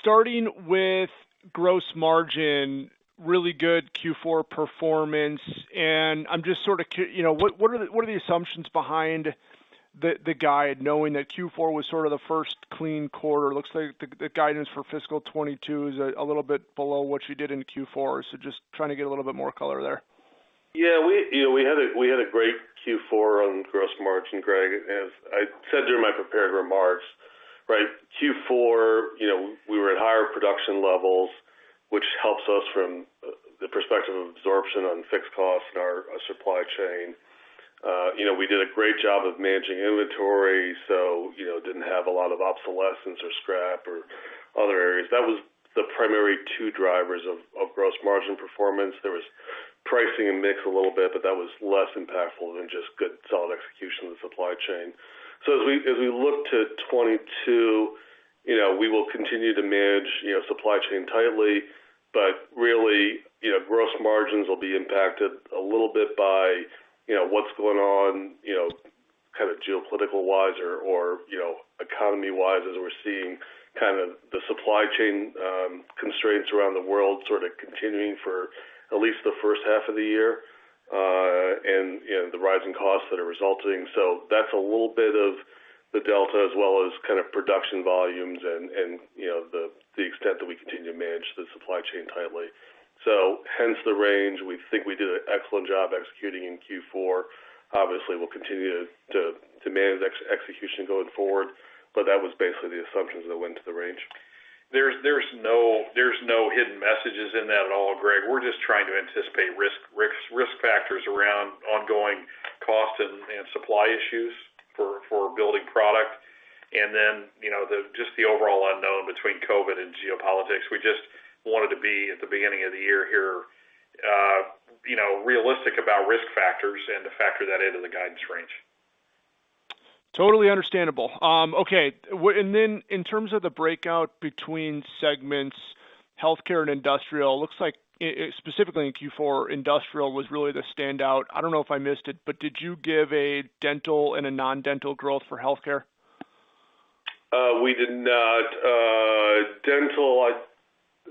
Starting with gross margin, really good Q4 performance, and I'm just sort of you know, what are the assumptions behind the guide, knowing that Q4 was sort of the first clean quarter. Looks like the guidance for fiscal 2022 is a little bit below what you did in Q4. Just trying to get a little bit more color there. We had a great Q4 on gross margin, Greg. As I said during my prepared remarks, right, Q4, you know, we were at higher production levels, which helps us from the perspective of absorption on fixed costs in our supply chain. You know, we did a great job of managing inventory, so, you know, didn't have a lot of obsolescence or scrap or other areas. That was the primary two drivers of gross margin performance. There was pricing and mix a little bit, but that was less impactful than just good solid execution of the supply chain. As we look to 2022, you know, we will continue to manage, you know, supply chain tightly, but really, you know, gross margins will be impacted a little bit by what's going on, you know, kind of geopolitical-wise or economy-wise as we're seeing kind of the supply chain constraints around the world sort of continuing for at least the first half of the year, and, you know, the rising costs that are resulting. That's a little bit of the delta as well as kind of production volumes and, you know, the extent that we continue to manage the supply chain tightly. Hence the range. We think we did an excellent job executing in Q4. Obviously, we'll continue to manage execution going forward, but that was basically the assumptions that went into the range. There's no hidden messages in that at all, Greg. We're just trying to anticipate risk factors around ongoing cost and supply issues for building product, just the overall unknown between COVID and geopolitics. We just wanted to be at the beginning of the year here you know realistic about risk factors and to factor that into the guidance range. Totally understandable. Okay. In terms of the breakdown between segments, Healthcare and Industrial, looks like specifically in Q4, Industrial was really the standout. I don't know if I missed it, but did you give a dental and a non-dental growth for Healthcare? We did not. Dental,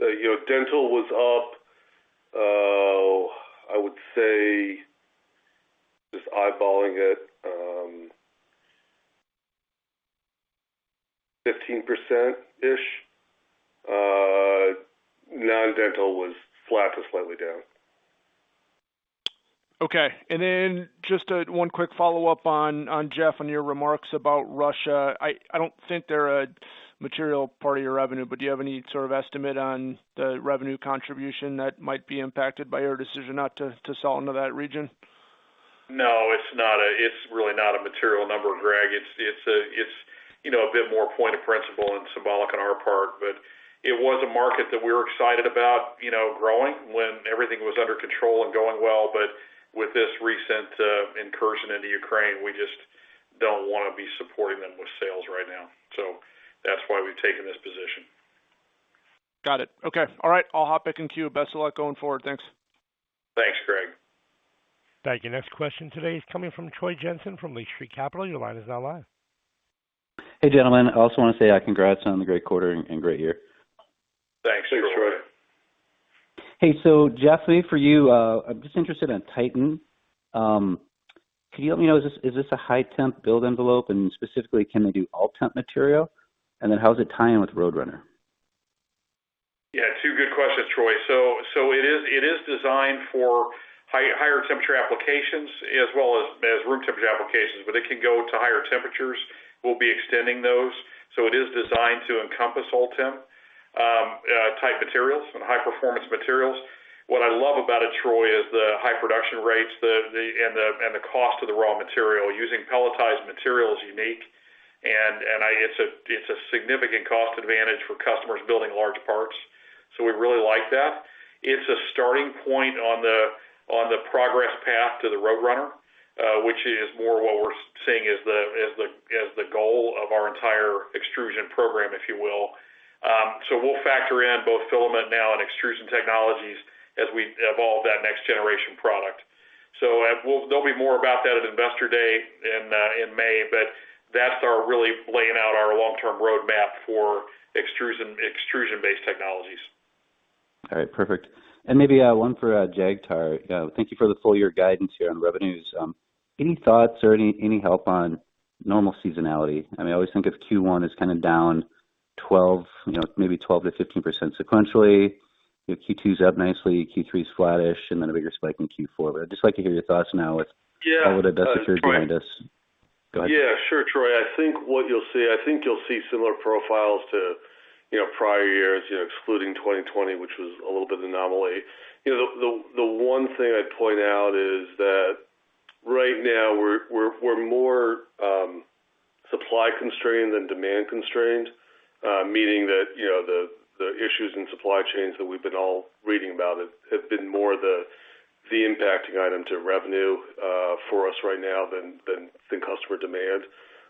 you know, dental was up, I would say, just eyeballing it, 15%-ish. Non-dental was flat to slightly down. Okay. Then just one quick follow-up on Jeff, on your remarks about Russia. I don't think they're a material part of your revenue, but do you have any sort of estimate on the revenue contribution that might be impacted by your decision not to sell into that region? No, it's really not a material number, Greg. It's you know a bit more point of principle and symbolic on our part. It was a market that we were excited about, you know, growing when everything was under control and going well. With this recent incursion into Ukraine, we just don't wanna be supporting them with sales right now. That's why we've taken this position. Got it. Okay. All right. I'll hop back in queue. Best of luck going forward. Thanks. Thanks, Greg. Thank you. Next question today is coming from Troy Jensen from Lake Street Capital Markets. Your line is now live. Hey, gentlemen. I also wanna say, congrats on the great quarter and great year. Thanks, Troy. Thanks, Troy. Hey, Jeffrey, for you, I'm just interested in Titan. Can you let me know, is this a high temp build envelope? And specifically, can they do all temp material? And then how does it tie in with Roadrunner? Yeah, two good questions, Troy. It is designed for higher temperature applications as well as room temperature applications, but it can go to higher temperatures. We'll be extending those. It is designed to encompass all temp type materials and high performance materials. What I love about it, Troy, is the high production rates and the cost of the raw material. Using pelletized material is unique and it's a significant cost advantage for customers building large parts. We really like that. It's a starting point on the progress path to the Roadrunner, which is more what we're seeing as the goal of our entire extrusion program, if you will. We'll factor in both filament now and extrusion technologies as we evolve that next generation product. There'll be more about that at Investor Day in May, but that's us really laying out our long-term roadmap for extrusion-based technologies. All right. Perfect. Maybe one for Jagtar. Thank you for the full year guidance here on revenues. Any thoughts or any help on normal seasonality? I always think of Q1 as kind of down 12, you know, maybe 12%-15% sequentially. You know, Q2's up nicely, Q3's flattish, and then a bigger spike in Q4. I'd just like to hear your thoughts now with- Yeah, Troy. How would it best appear behind us? Go ahead. Yeah, sure, Troy. I think what you'll see similar profiles to, you know, prior years, you know, excluding 2020, which was a little bit of an anomaly. You know, one thing I'd point out is that right now we're more supply constrained than demand constrained, meaning that, you know, issues in supply chains that we've been all reading about have been more the impacting item to revenue for us right now than customer demand.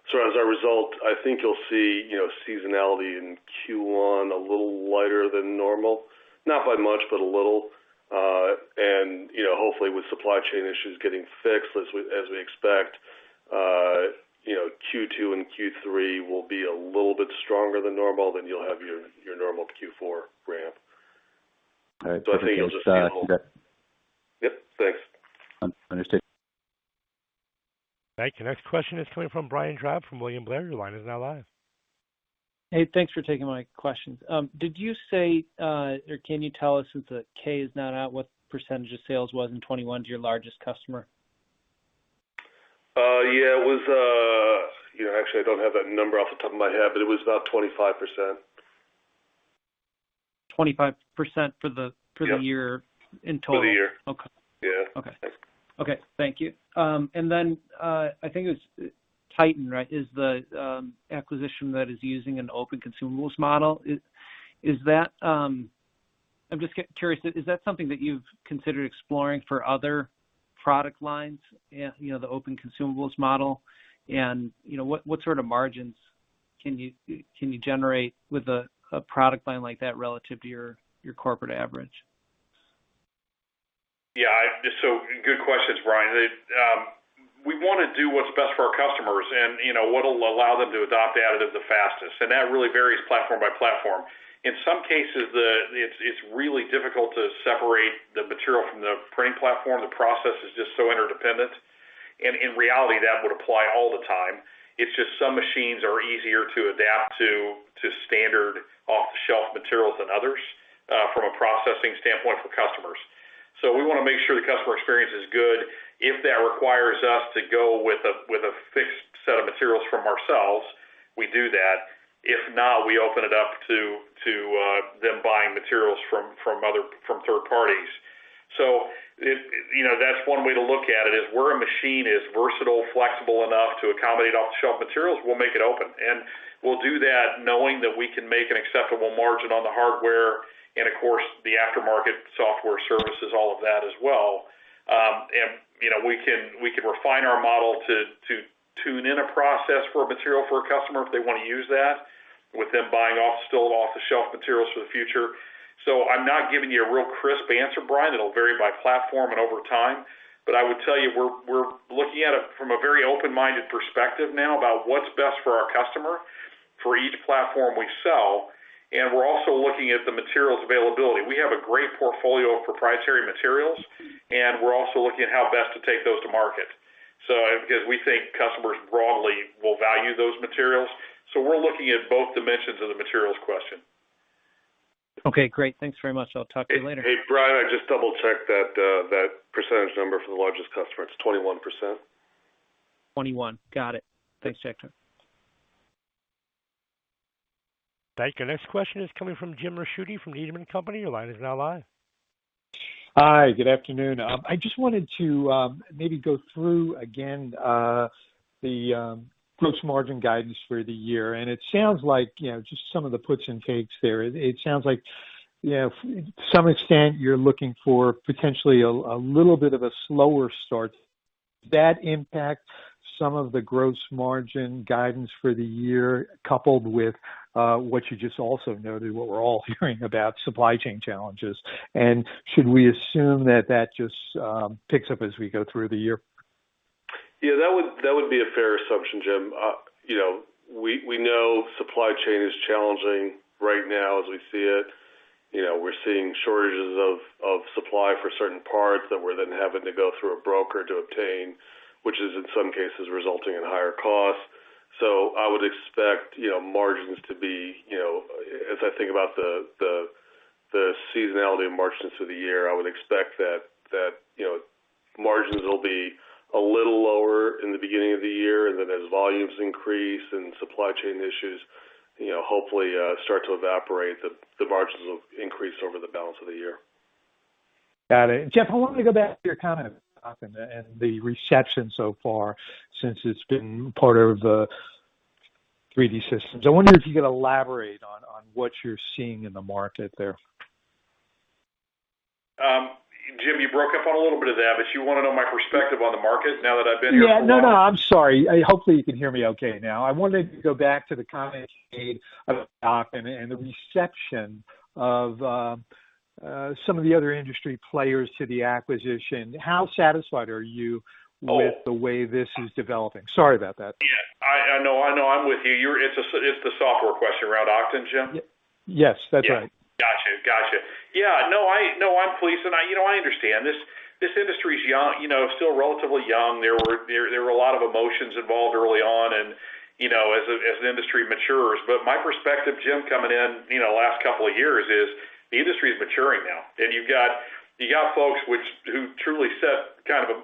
As a result, I think you'll see, you know, seasonality in Q1 a little lighter than normal. Not by much, but a little. You know, hopefully with supply chain issues getting fixed as we expect, you know, Q2 and Q3 will be a little bit stronger than normal, then you'll have your normal Q4 ramp. All right. Yep. Thanks. Understood. Thank you. Next question is coming from Brian Drab from William Blair. Your line is now live. Hey, thanks for taking my questions. Did you say or can you tell us since the 10-K is now out, what percentage of sales was in 2021 to your largest customer? Yeah, it was actually, I don't have that number off the top of my head, but it was about 25%. 25% for the Yeah. for the year in total? For the year. Okay. Yeah. Okay. Thank you. I think it was Titan, right, is the acquisition that is using an open consumables model. I'm just curious. Is that something that you've considered exploring for other product lines, and, you know, the open consumables model? You know, what sort of margins can you generate with a product line like that relative to your corporate average? Yeah, good questions, Brian. We wanna do what's best for our customers and, you know, what'll allow them to adopt additive the fastest, and that really varies platform by platform. In some cases, it's really difficult to separate the material from the printing platform. The process is just so interdependent. In reality, that would apply all the time. It's just some machines are easier to adapt to standard off-the-shelf materials than others from a processing standpoint for customers. We wanna make sure the customer experience is good. If that requires us to go with a fixed set of materials from ourselves, we do that. If not, we open it up to them buying materials from other third parties, that's one way to look at it. is where a machine is versatile, flexible enough to accommodate off-the-shelf materials, we'll make it open. We'll do that knowing that we can make an acceptable margin on the hardware and of course, the aftermarket software services, all of that as well. You know, we can refine our model to tune in a process for a material for a customer if they wanna use that with them buying off still off-the-shelf materials for the future. I'm not giving you a real crisp answer, Brian. It'll vary by platform and over time. I would tell you, we're looking at it from a very open-minded perspective now about what's best for our customer for each platform we sell, and we're also looking at the materials availability. We have a great portfolio of proprietary materials, and we're also looking at how best to take those to market. Because we think customers broadly will value those materials, so we're looking at both dimensions of the materials question. Okay, great. Thanks very much. I'll talk to you later. Hey, Brian, I just double-checked that percentage number for the largest customer. It's 21%. 21. Got it. Thanks, Jeff. Thank you. Next question is coming from Jim Ricchiuti from Needham & Company. Your line is now live. Hi, good afternoon. I just wanted to maybe go through again the gross margin guidance for the year. It sounds like, you know, just some of the puts and takes there. It sounds like, you know, to some extent you're looking for potentially a little bit of a slower start. That impact some of the gross margin guidance for the year, coupled with what you just also noted, what we're all hearing about supply chain challenges. Should we assume that that just picks up as we go through the year? Yeah, that would be a fair assumption, Jim. You know, we know supply chain is challenging right now as we see it. You know, we're seeing shortages of supply for certain parts that we're then having to go through a broker to obtain, which is in some cases resulting in higher costs. I would expect margins to be as I think about the seasonality of margins through the year, I would expect that, you know, margins will be a little lower in the beginning of the year, and then as volumes increase and supply chain issues, you know, hopefully start to evaporate, the margins will increase over the balance of the year. Got it. Jeff, I wanted to go back to your comment and the reception so far since it's been part of 3D Systems. I wonder if you could elaborate on what you're seeing in the market there. Jim, you broke up on a little bit of that, but you wanna know my perspective on the market now that I've been here for a while? Yeah. No, no, I'm sorry. Hopefully, you can hear me okay now. I wanted to go back to the comment you made about Oqton and the reception of some of the other industry players to the acquisition. How satisfied are you with the way this is developing? Sorry about that. Yeah, I know. I'm with you. It's the software question around Oqton, Jim? Yes, that's right. No, I'm pleased, and you know, I understand. This industry is young still relatively young, there were a lot of emotions involved early on and as an industry matures. My perspective, Jim, coming in, you know, the last couple of years is the industry is maturing now. You've got folks who truly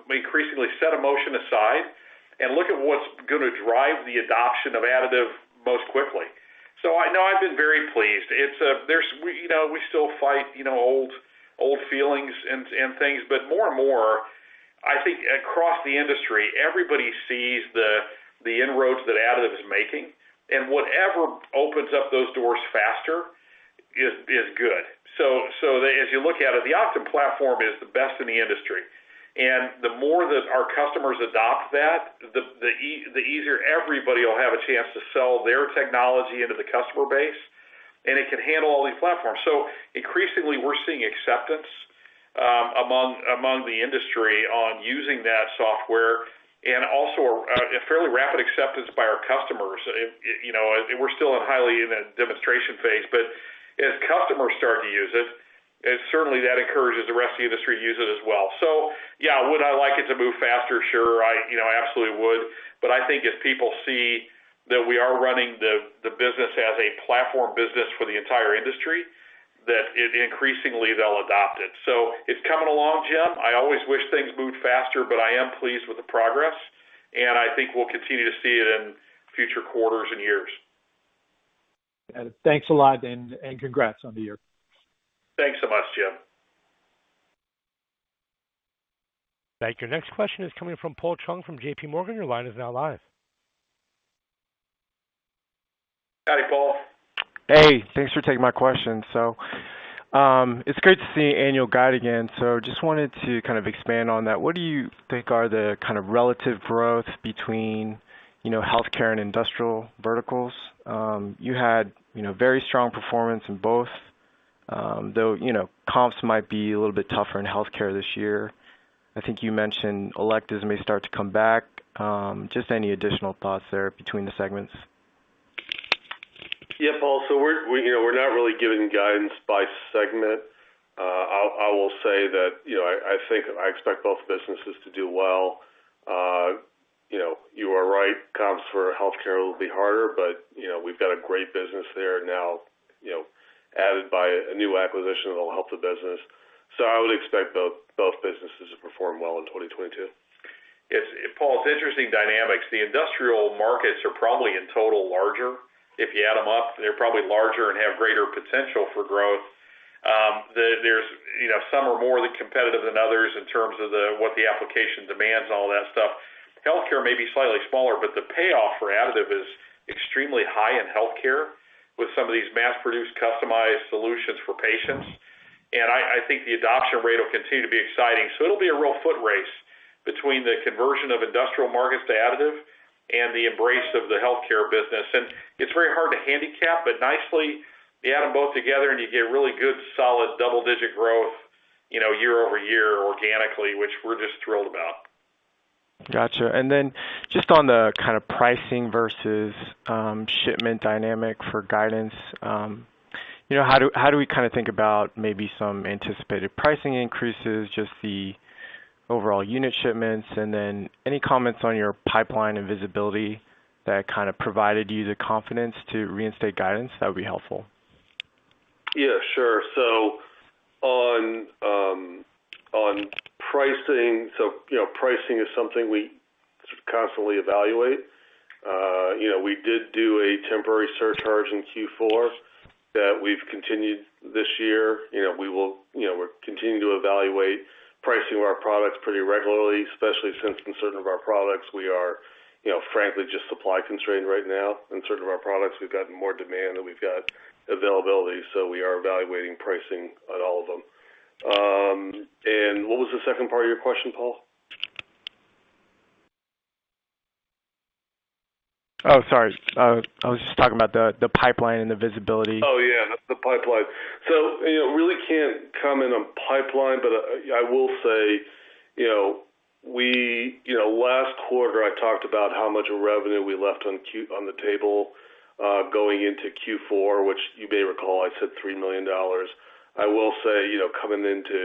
increasingly set emotion aside and look at what's gonna drive the adoption of additive most quickly. I know I've been very pleased. We still fight old feelings and things, but more and more, I think across the industry, everybody sees the inroads that additive is making, and whatever opens up those doors faster is good. As you look at it, the Oqton platform is the best in the industry. The more that our customers adopt that, the easier everybody will have a chance to sell their technology into the customer base, and it can handle all these platforms. Increasingly, we're seeing acceptance among the industry on using that software and also a fairly rapid acceptance by our customers. It you know and we're still in an early demonstration phase, but as customers start to use it certainly encourages the rest of the industry to use it as well. Yeah, would I like it to move faster? Sure. I you know I absolutely would. But I think as people see that we are running the business as a platform business for the entire industry, that increasingly they'll adopt it. It's coming along, Jim. I always wish things moved faster, but I am pleased with the progress, and I think we'll continue to see it in future quarters and years. Thanks a lot and congrats on the year. Thanks so much, Jim. Thank you. Next question is coming from Paul Chung from JPMorgan. Your line is now live. Howdy, Paul. Hey, thanks for taking my question. It's great to see annual guidance again. Just wanted to kind of expand on that. What do you think are the kind of relative growth between, you know, Healthcare and Industrial verticals? You had, you know, very strong performance in both. Though, you know, comps might be a little bit tougher in Healthcare this year. I think you mentioned electives may start to come back. Just any additional thoughts there between the segments? Paul. We're not really giving guidance by segment. I will say that, you know, I think I expect both businesses to do well. You are right, comps for healthcare will be harder, but, you know, we've got a great business there now, you know, added by a new acquisition that'll help the business. I would expect both businesses to perform well in 2022. Paul, it's interesting dynamics. The industrial markets are probably in total larger. If you add them up, they're probably larger and have greater potential for growth. There's, you know, some are more competitive than others in terms of the, what the application demands, all that stuff. Healthcare may be slightly smaller, but the payoff for additive is extremely high in healthcare with some of these mass-produced customized solutions for patients. I think the adoption rate will continue to be exciting. It'll be a real foot race between the conversion of industrial markets to additive and the embrace of the healthcare business. It's very hard to handicap, but nicely, you add them both together, and you get really good, solid double-digit growth, you know, year-over-year organically, which we're just thrilled about. Got you. Just on the kind of pricing versus, shipment dynamic for guidance, you know, how do we kinda think about maybe some anticipated pricing increases, just the overall unit shipments? Any comments on your pipeline and visibility that kind of provided you the confidence to reinstate guidance, that would be helpful. Yeah, sure. On pricing, you know, pricing is something we constantly evaluate, we did do a temporary surcharge in Q4 that we've continued this year. We're continuing to evaluate pricing of our products pretty regularly, especially since in certain of our products, we are, you know, frankly, just supply constrained right now. In certain of our products, we've got more demand than we've got availability, so we are evaluating pricing on all of them. What was the second part of your question, Paul? Oh, sorry. I was just talking about the pipeline and the visibility. Oh, yeah, the pipeline. You know, really can't comment on pipeline, but I will say, you know, we, you know, last quarter, I talked about how much of revenue we left on the table, going into Q4, which you may recall, I said $3 million. I will say, you know, coming into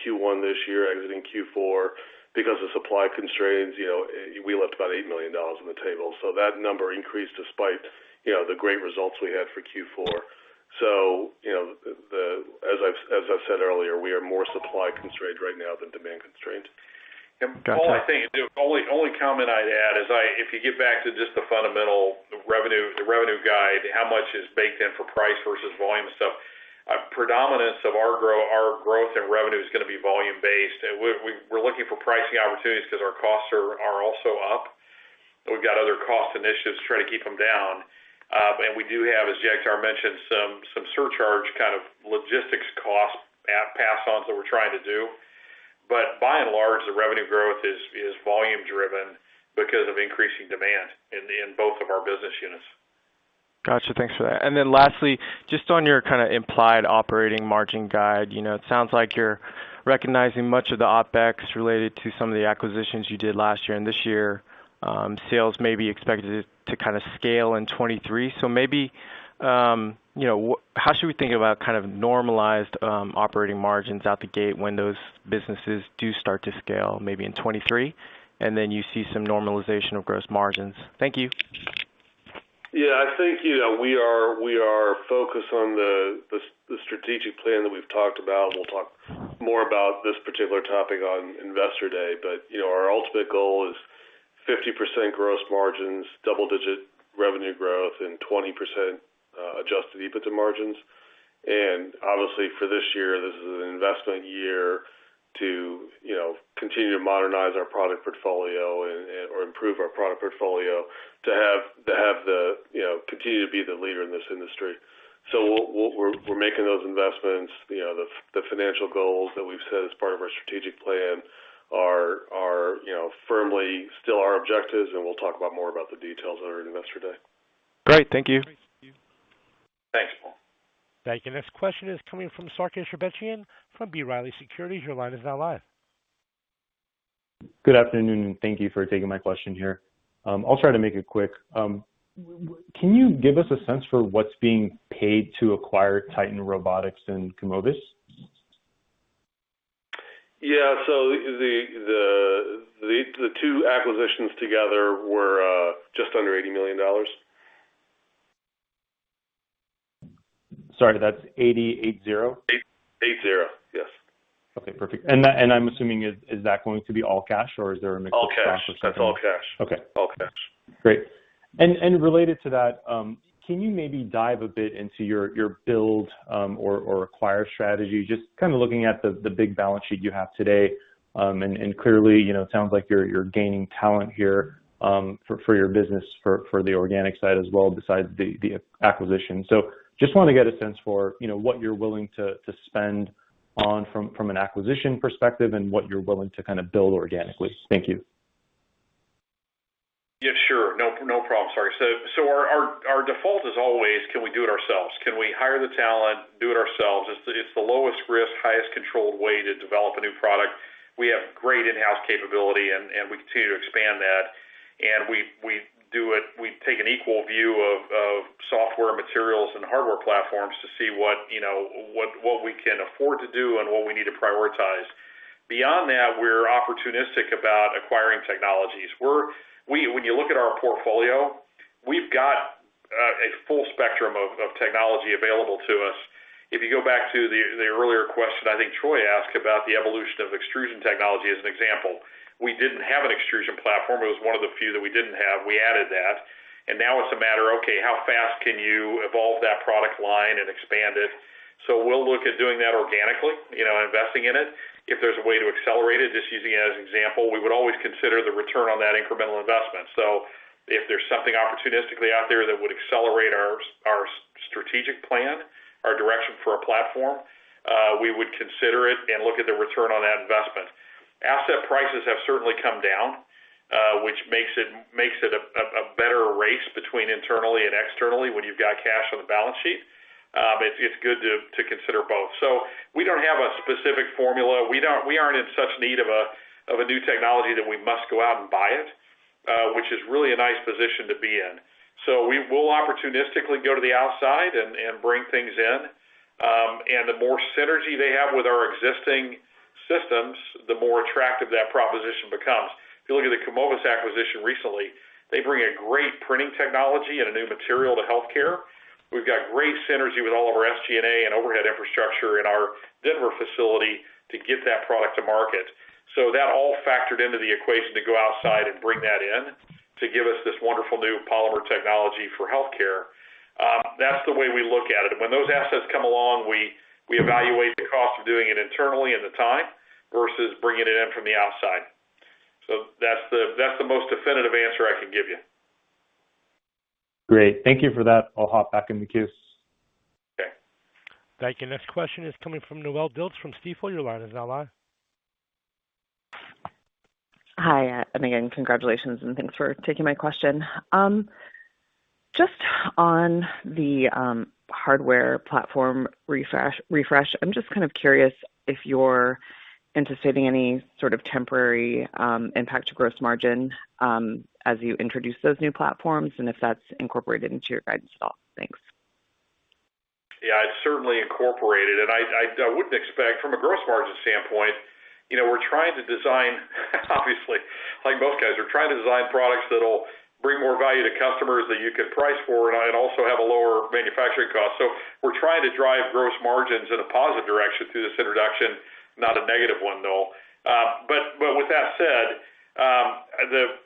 Q1 this year, exiting Q4 because of supply constraints, you know, we left about $8 million on the table. That number increased despite, you know, the great results we had for Q4. You know, as I've said earlier, we are more supply constrained right now than demand constrained. Paul, I think the only comment I'd add is if you get back to just the fundamental, the revenue guide, how much is baked in for price versus volume and stuff. A predominance of our growth and revenue is gonna be volume-based. We're looking for pricing opportunities 'cause our costs are also up, and we've got other cost initiatives to try to keep them down. We do have, as Jagtar mentioned, some surcharge kind of logistics costs to pass on, so we're trying to do. By and large, the revenue growth is volume driven because of increasing demand in both of our business units. Got you. Thanks for that. Then lastly, just on your kind of implied operating margin guide, you know, it sounds like you're recognizing much of the OpEx related to some of the acquisitions you did last year. This year, sales may be expected to kind of scale in 2023. Maybe, you know, how should we think about kind of normalized operating margins out the gate when those businesses do start to scale, maybe in 2023, and then you see some normalization of gross margins? Thank you. Yeah. I think, you know, we are focused on the strategic plan that we've talked about. We'll talk more about this particular topic on Investor Day. You know, our ultimate goal is 50% gross margins, double-digit revenue growth and 20% adjusted EBITDA margins. Obviously for this year, this is an investment year to, you know, continue to modernize our product portfolio or improve our product portfolio to have the, you know, continue to be the leader in this industry. We're making those investments. You know, the financial goals that we've set as part of our strategic plan are firmly still our objectives, and we'll talk more about the details on our Investor Day. Great. Thank you. Thank you. Thank you. Next question is coming from Sarkis Sherbetchyan from B. Riley Securities. Your line is now live. Good afternoon, and thank you for taking my question here. I'll try to make it quick. Can you give us a sense for what's being paid to acquire Titan Robotics and Kumovis? Yeah. The two acquisitions together were just under $80 million. Sorry, that's 880? 880. Yes. Okay. Perfect. I'm assuming, is that going to be all cash or is there a mix of cash? All cash. That's all cash. Okay. All cash. Great. Related to that, can you maybe dive a bit into your build or acquire strategy? Just kind of looking at the big balance sheet you have today. Clearly, you know, it sounds like you're gaining talent here for your business for the organic side as well besides the acquisition. Just want to get a sense for, you know, what you're willing to spend on from an acquisition perspective and what you're willing to kind of build organically. Thank you. No problem. Sorry. Our default is always can we do it ourselves? Can we hire the talent, do it ourselves? It's the lowest risk, highest controlled way to develop a new product. We have great in-house capability, and we continue to expand that. We do it. We take an equal view of software materials and hardware platforms to see what you know what we can afford to do and what we need to prioritize. Beyond that, we're opportunistic about acquiring technologies. When you look at our portfolio, we've got a full spectrum of technology available to us. If you go back to the earlier question I think Troy asked about the evolution of extrusion technology as an example, we didn't have an extrusion platform. It was one of the few that we didn't have. We added that. Now it's a matter, okay, how fast can you evolve that product line and expand it? We'll look at doing that organically, you know, investing in it. If there's a way to accelerate it, just using it as an example, we would always consider the return on that incremental investment. If there's something opportunistically out there that would accelerate our strategic plan, our direction for a platform, we would consider it and look at the return on that investment. Asset prices have certainly come down, which makes it a better race between internally and externally when you've got cash on the balance sheet. It's good to consider both. We don't have a specific formula. We aren't in such need of a new technology that we must go out and buy it, which is really a nice position to be in. We will opportunistically go to the outside and bring things in. The more synergy they have with our existing systems, the more attractive that proposition becomes. If you look at the Kumovis acquisition recently, they bring a great printing technology and a new material to healthcare. We've got great synergy with all of our SG&A and overhead infrastructure in our Denver facility to get that product to market. That all factored into the equation to go outside and bring that in to give us this wonderful new polymer technology for healthcare. That's the way we look at it. When those assets come along, we evaluate the cost of doing it internally and the time versus bringing it in from the outside. That's the most definitive answer I can give you. Great. Thank you for that. I'll hop back in the queue. Okay. Thank you. Next question is coming from Noelle Dilts from Stifel. Your line is now live. Hi, and again, congratulations, and thanks for taking my question. Just on the hardware platform refresh, I'm just kind of curious if you're anticipating any sort of temporary impact to gross margin as you introduce those new platforms and if that's incorporated into your guidance at all. Thanks. It's certainly incorporated. I wouldn't expect from a gross margin standpoint, you know, we're trying to design, obviously, like most guys, we're trying to design products that'll bring more value to customers that you can price for and also have a lower manufacturing cost. We're trying to drive gross margins in a positive direction through this introduction, not a negative one, though. With that said,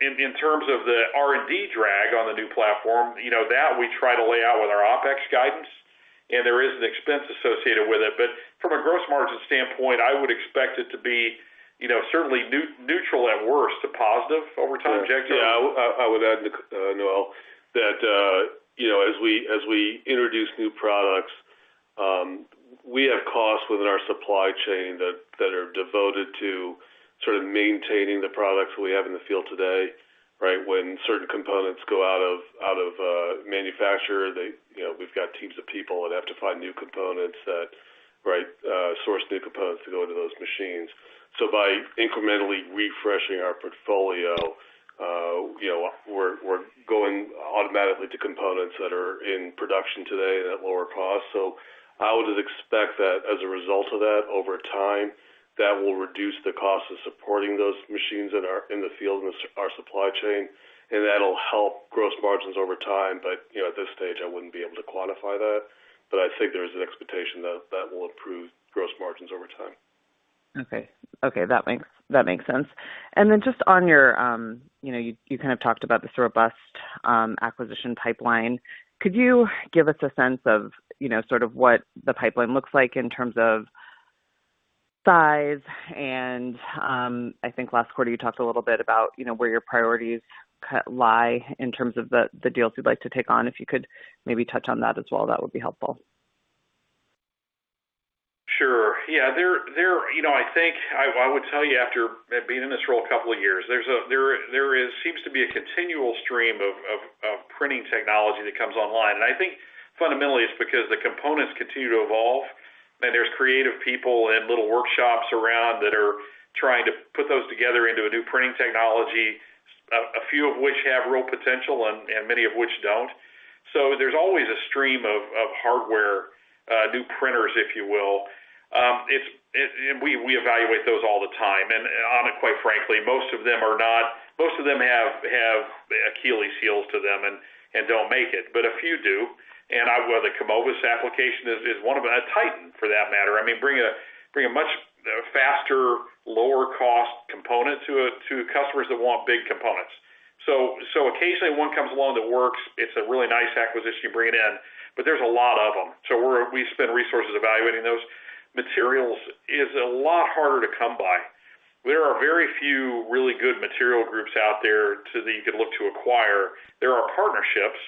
in terms of the R&D drag on the new platform, you know, that we try to lay out with our OpEx guidance, and there is an expense associated with it. From a gross margin standpoint, I would expect it to be, you know, certainly neutral at worst to positive over time. Jake? Yeah. I would add, Noelle, that you know, as we introduce new products, we have costs within our supply chain that are devoted to sort of maintaining the products we have in the field today, right? When certain components go out of manufacture, you know, we've got teams of people that have to find new components that source new components to go into those machines. So by incrementally refreshing our portfolio, you know, we're going automatically to components that are in production today and at lower cost. So I would expect that as a result of that, over time, that will reduce the cost of supporting those machines that are in the field and our supply chain, and that'll help gross margins over time. You know, at this stage, I wouldn't be able to quantify that. I think there's an expectation that will improve gross margins over time. Okay. That makes sense. Just on your, you know, you kind of talked about this robust acquisition pipeline. Could you give us a sense of, you know, sort of what the pipeline looks like in terms of size? I think last quarter you talked a little bit about, you know, where your priorities lie in terms of the deals you'd like to take on. If you could maybe touch on that as well, that would be helpful. I think I would tell you after being in this role a couple of years, there seems to be a continual stream of printing technology that comes online. I think fundamentally it's because the components continue to evolve, and there's creative people and little workshops around that are trying to put those together into a new printing technology, a few of which have real potential and many of which don't. There's always a stream of hardware, new printers, if you will. We evaluate those all the time. Ananda, quite frankly, most of them are not. Most of them have Achilles heels to them and don't make it. A few do. Well, the Kumovis's application is one of a Titan for that matter. I mean, bring a much faster, lower cost component to customers that want big components. So occasionally one comes along that works. It's a really nice acquisition you bring it in, but there's a lot of them. We spend resources evaluating those. Materials is a lot harder to come by. There are very few really good material groups out there so that you can look to acquire. There are partnerships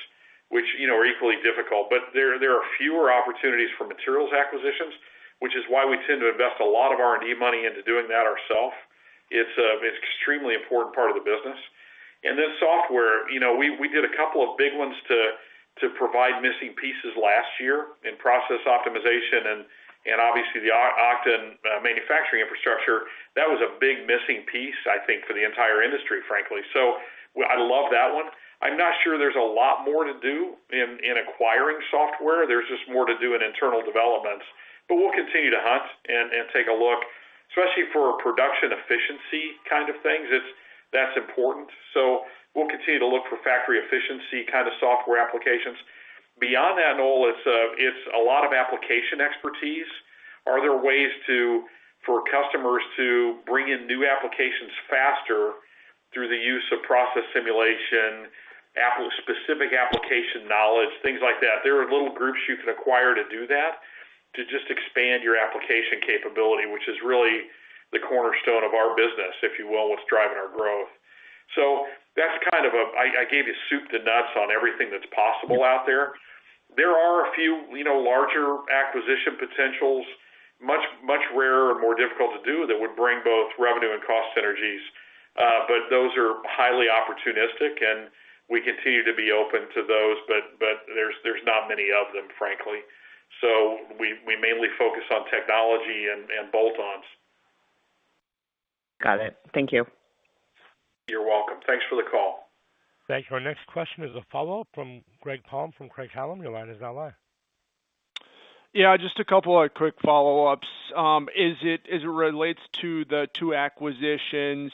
which are equally difficult, but there are fewer opportunities for materials acquisitions, which is why we tend to invest a lot of R&D money into doing that ourselves. It's an extremely important part of the business. Then software, we did a couple of big ones to provide missing pieces last year in process optimization and obviously the Oqton manufacturing infrastructure. That was a big missing piece, I think, for the entire industry, frankly. I love that one. I'm not sure there's a lot more to do in acquiring software. There's just more to do in internal developments. But we'll continue to hunt and take a look, especially for production efficiency kind of things. That's important. We'll continue to look for factory efficiency kind of software applications. Beyond that, Noelle, it's a lot of application expertise. Are there ways for customers to bring in new applications faster through the use of process simulation, specific application knowledge, things like that? There are little groups you can acquire to do that, to just expand your application capability, which is really the cornerstone of our business, if you will, what's driving our growth. That's kind of a I gave you soup to nuts on everything that's possible out there. There are a few, you know, larger acquisition potentials, much rarer and more difficult to do that would bring both revenue and cost synergies. Those are highly opportunistic, and we continue to be open to those, but there's not many of them, frankly. We mainly focus on technology and bolt-ons. Got it. Thank you. You're welcome. Thanks for the call. Thank you. Our next question is a follow-up from Greg Palm from Craig-Hallum. Your line is now live. Yeah, just a couple of quick follow-ups. As it relates to the two acquisitions,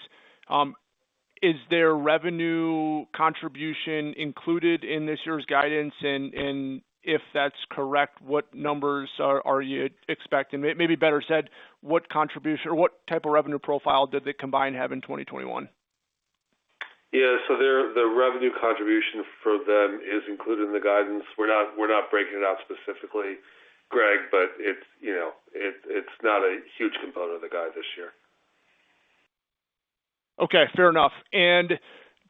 is there revenue contribution included in this year's guidance? If that's correct, what numbers are you expecting? Maybe better said, what contribution or what type of revenue profile did the combined have in 2021? Yeah. Their revenue contribution for them is included in the guidance. We're not breaking it out specifically, Greg, but it's not a huge component of the guide this year. Okay. Fair enough.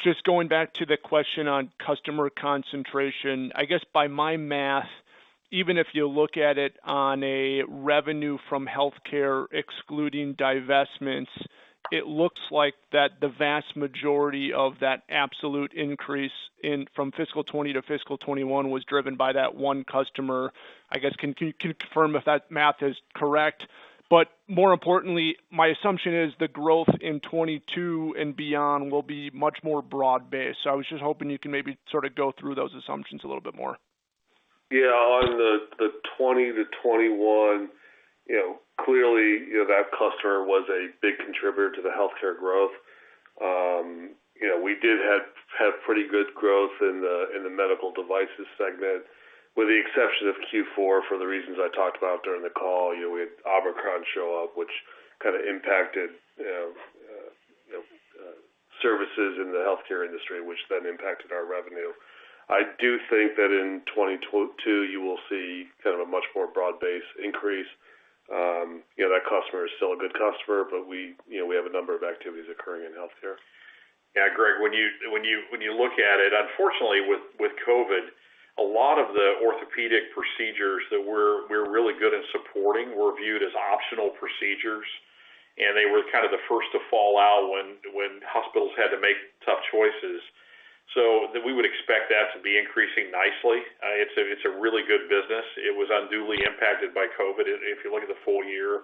Just going back to the question on customer concentration. I guess by my math, even if you look at it on a revenue from healthcare excluding divestments, it looks like the vast majority of that absolute increase from fiscal 2020 to fiscal 2021 was driven by that one customer. I guess, can you confirm if that math is correct? More importantly, my assumption is the growth in 2022 and beyond will be much more broad-based. I was just hoping you can maybe sort of go through those assumptions a little bit more. Yeah. On the 2020 to 2021, you know, clearly, you know, that customer was a big contributor to the healthcare growth. You know, we did have pretty good growth in the medical devices segment, with the exception of Q4, for the reasons I talked about during the call. You know, we had Omicron show up, which kind of impacted you know services in the healthcare industry, which then impacted our revenue. I do think that in 2022, you will see kind of a much more broad-based increase. You know, that customer is still a good customer, but we you know we have a number of activities occurring in healthcare. Yeah, Greg, when you look at it, unfortunately with COVID, a lot of the orthopedic procedures that we're really good at supporting were viewed as optional procedures, and they were kind of the first to fall out when hospitals had to make tough choices. We would expect that to be increasing nicely. It's a really good business. It was unduly impacted by COVID if you look at the full year.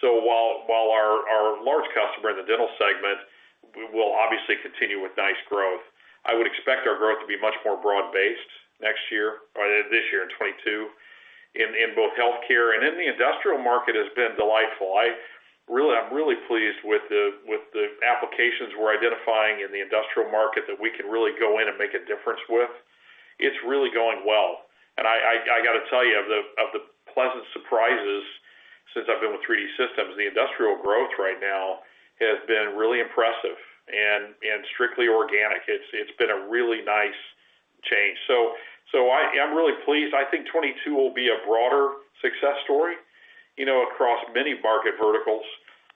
So while our large customer in the dental segment will obviously continue with nice growth, I would expect our growth to be much more broad-based next year or this year in 2022 in both healthcare and the industrial market has been delightful. I'm really pleased with the applications we're identifying in the industrial market that we can really go in and make a difference with. It's really going well. I got to tell you, of the pleasant surprises since I've been with 3D Systems, the industrial growth right now has been really impressive and strictly organic. It's been a really nice change. I'm really pleased. I think 2022 will be a broader success story, you know, across many market verticals.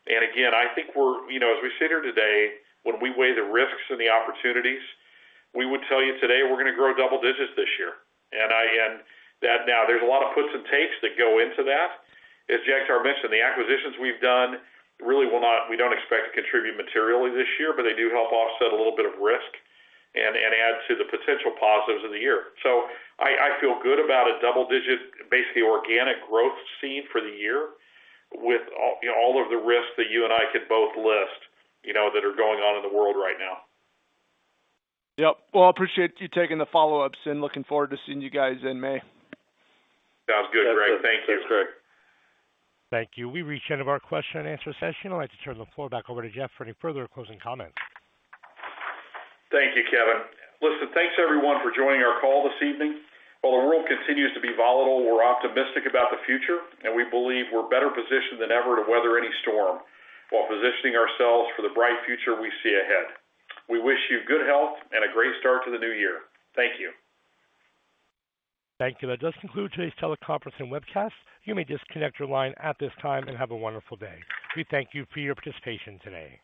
Again, I think we're, you know, as we sit here today, when we weigh the risks and the opportunities, we would tell you today we're gonna grow double digits this year. That now there's a lot of puts and takes that go into that. As Jagtar mentioned, the acquisitions we've done we don't expect to contribute materially this year, but they do help offset a little bit of risk and add to the potential positives of the year. I feel good about a double-digit, basically organic growth set for the year with, you know, all of the risks that you and I could both list that are going on in the world right now. Yep. Well, I appreciate you taking the follow-ups, and looking forward to seeing you guys in May. Sounds good, Greg. Thank you. Thank you. We've reached the end of our question and answer session. I'd like to turn the floor back over to Jeff for any further closing comments. Thank you, Kevin. Listen, thanks everyone for joining our call this evening. While the world continues to be volatile, we're optimistic about the future, and we believe we're better positioned than ever to weather any storm while positioning ourselves for the bright future we see ahead. We wish you good health and a great start to the new year. Thank you. Thank you. That does conclude today's teleconference and webcast. You may disconnect your line at this time, and have a wonderful day. We thank you for your participation today.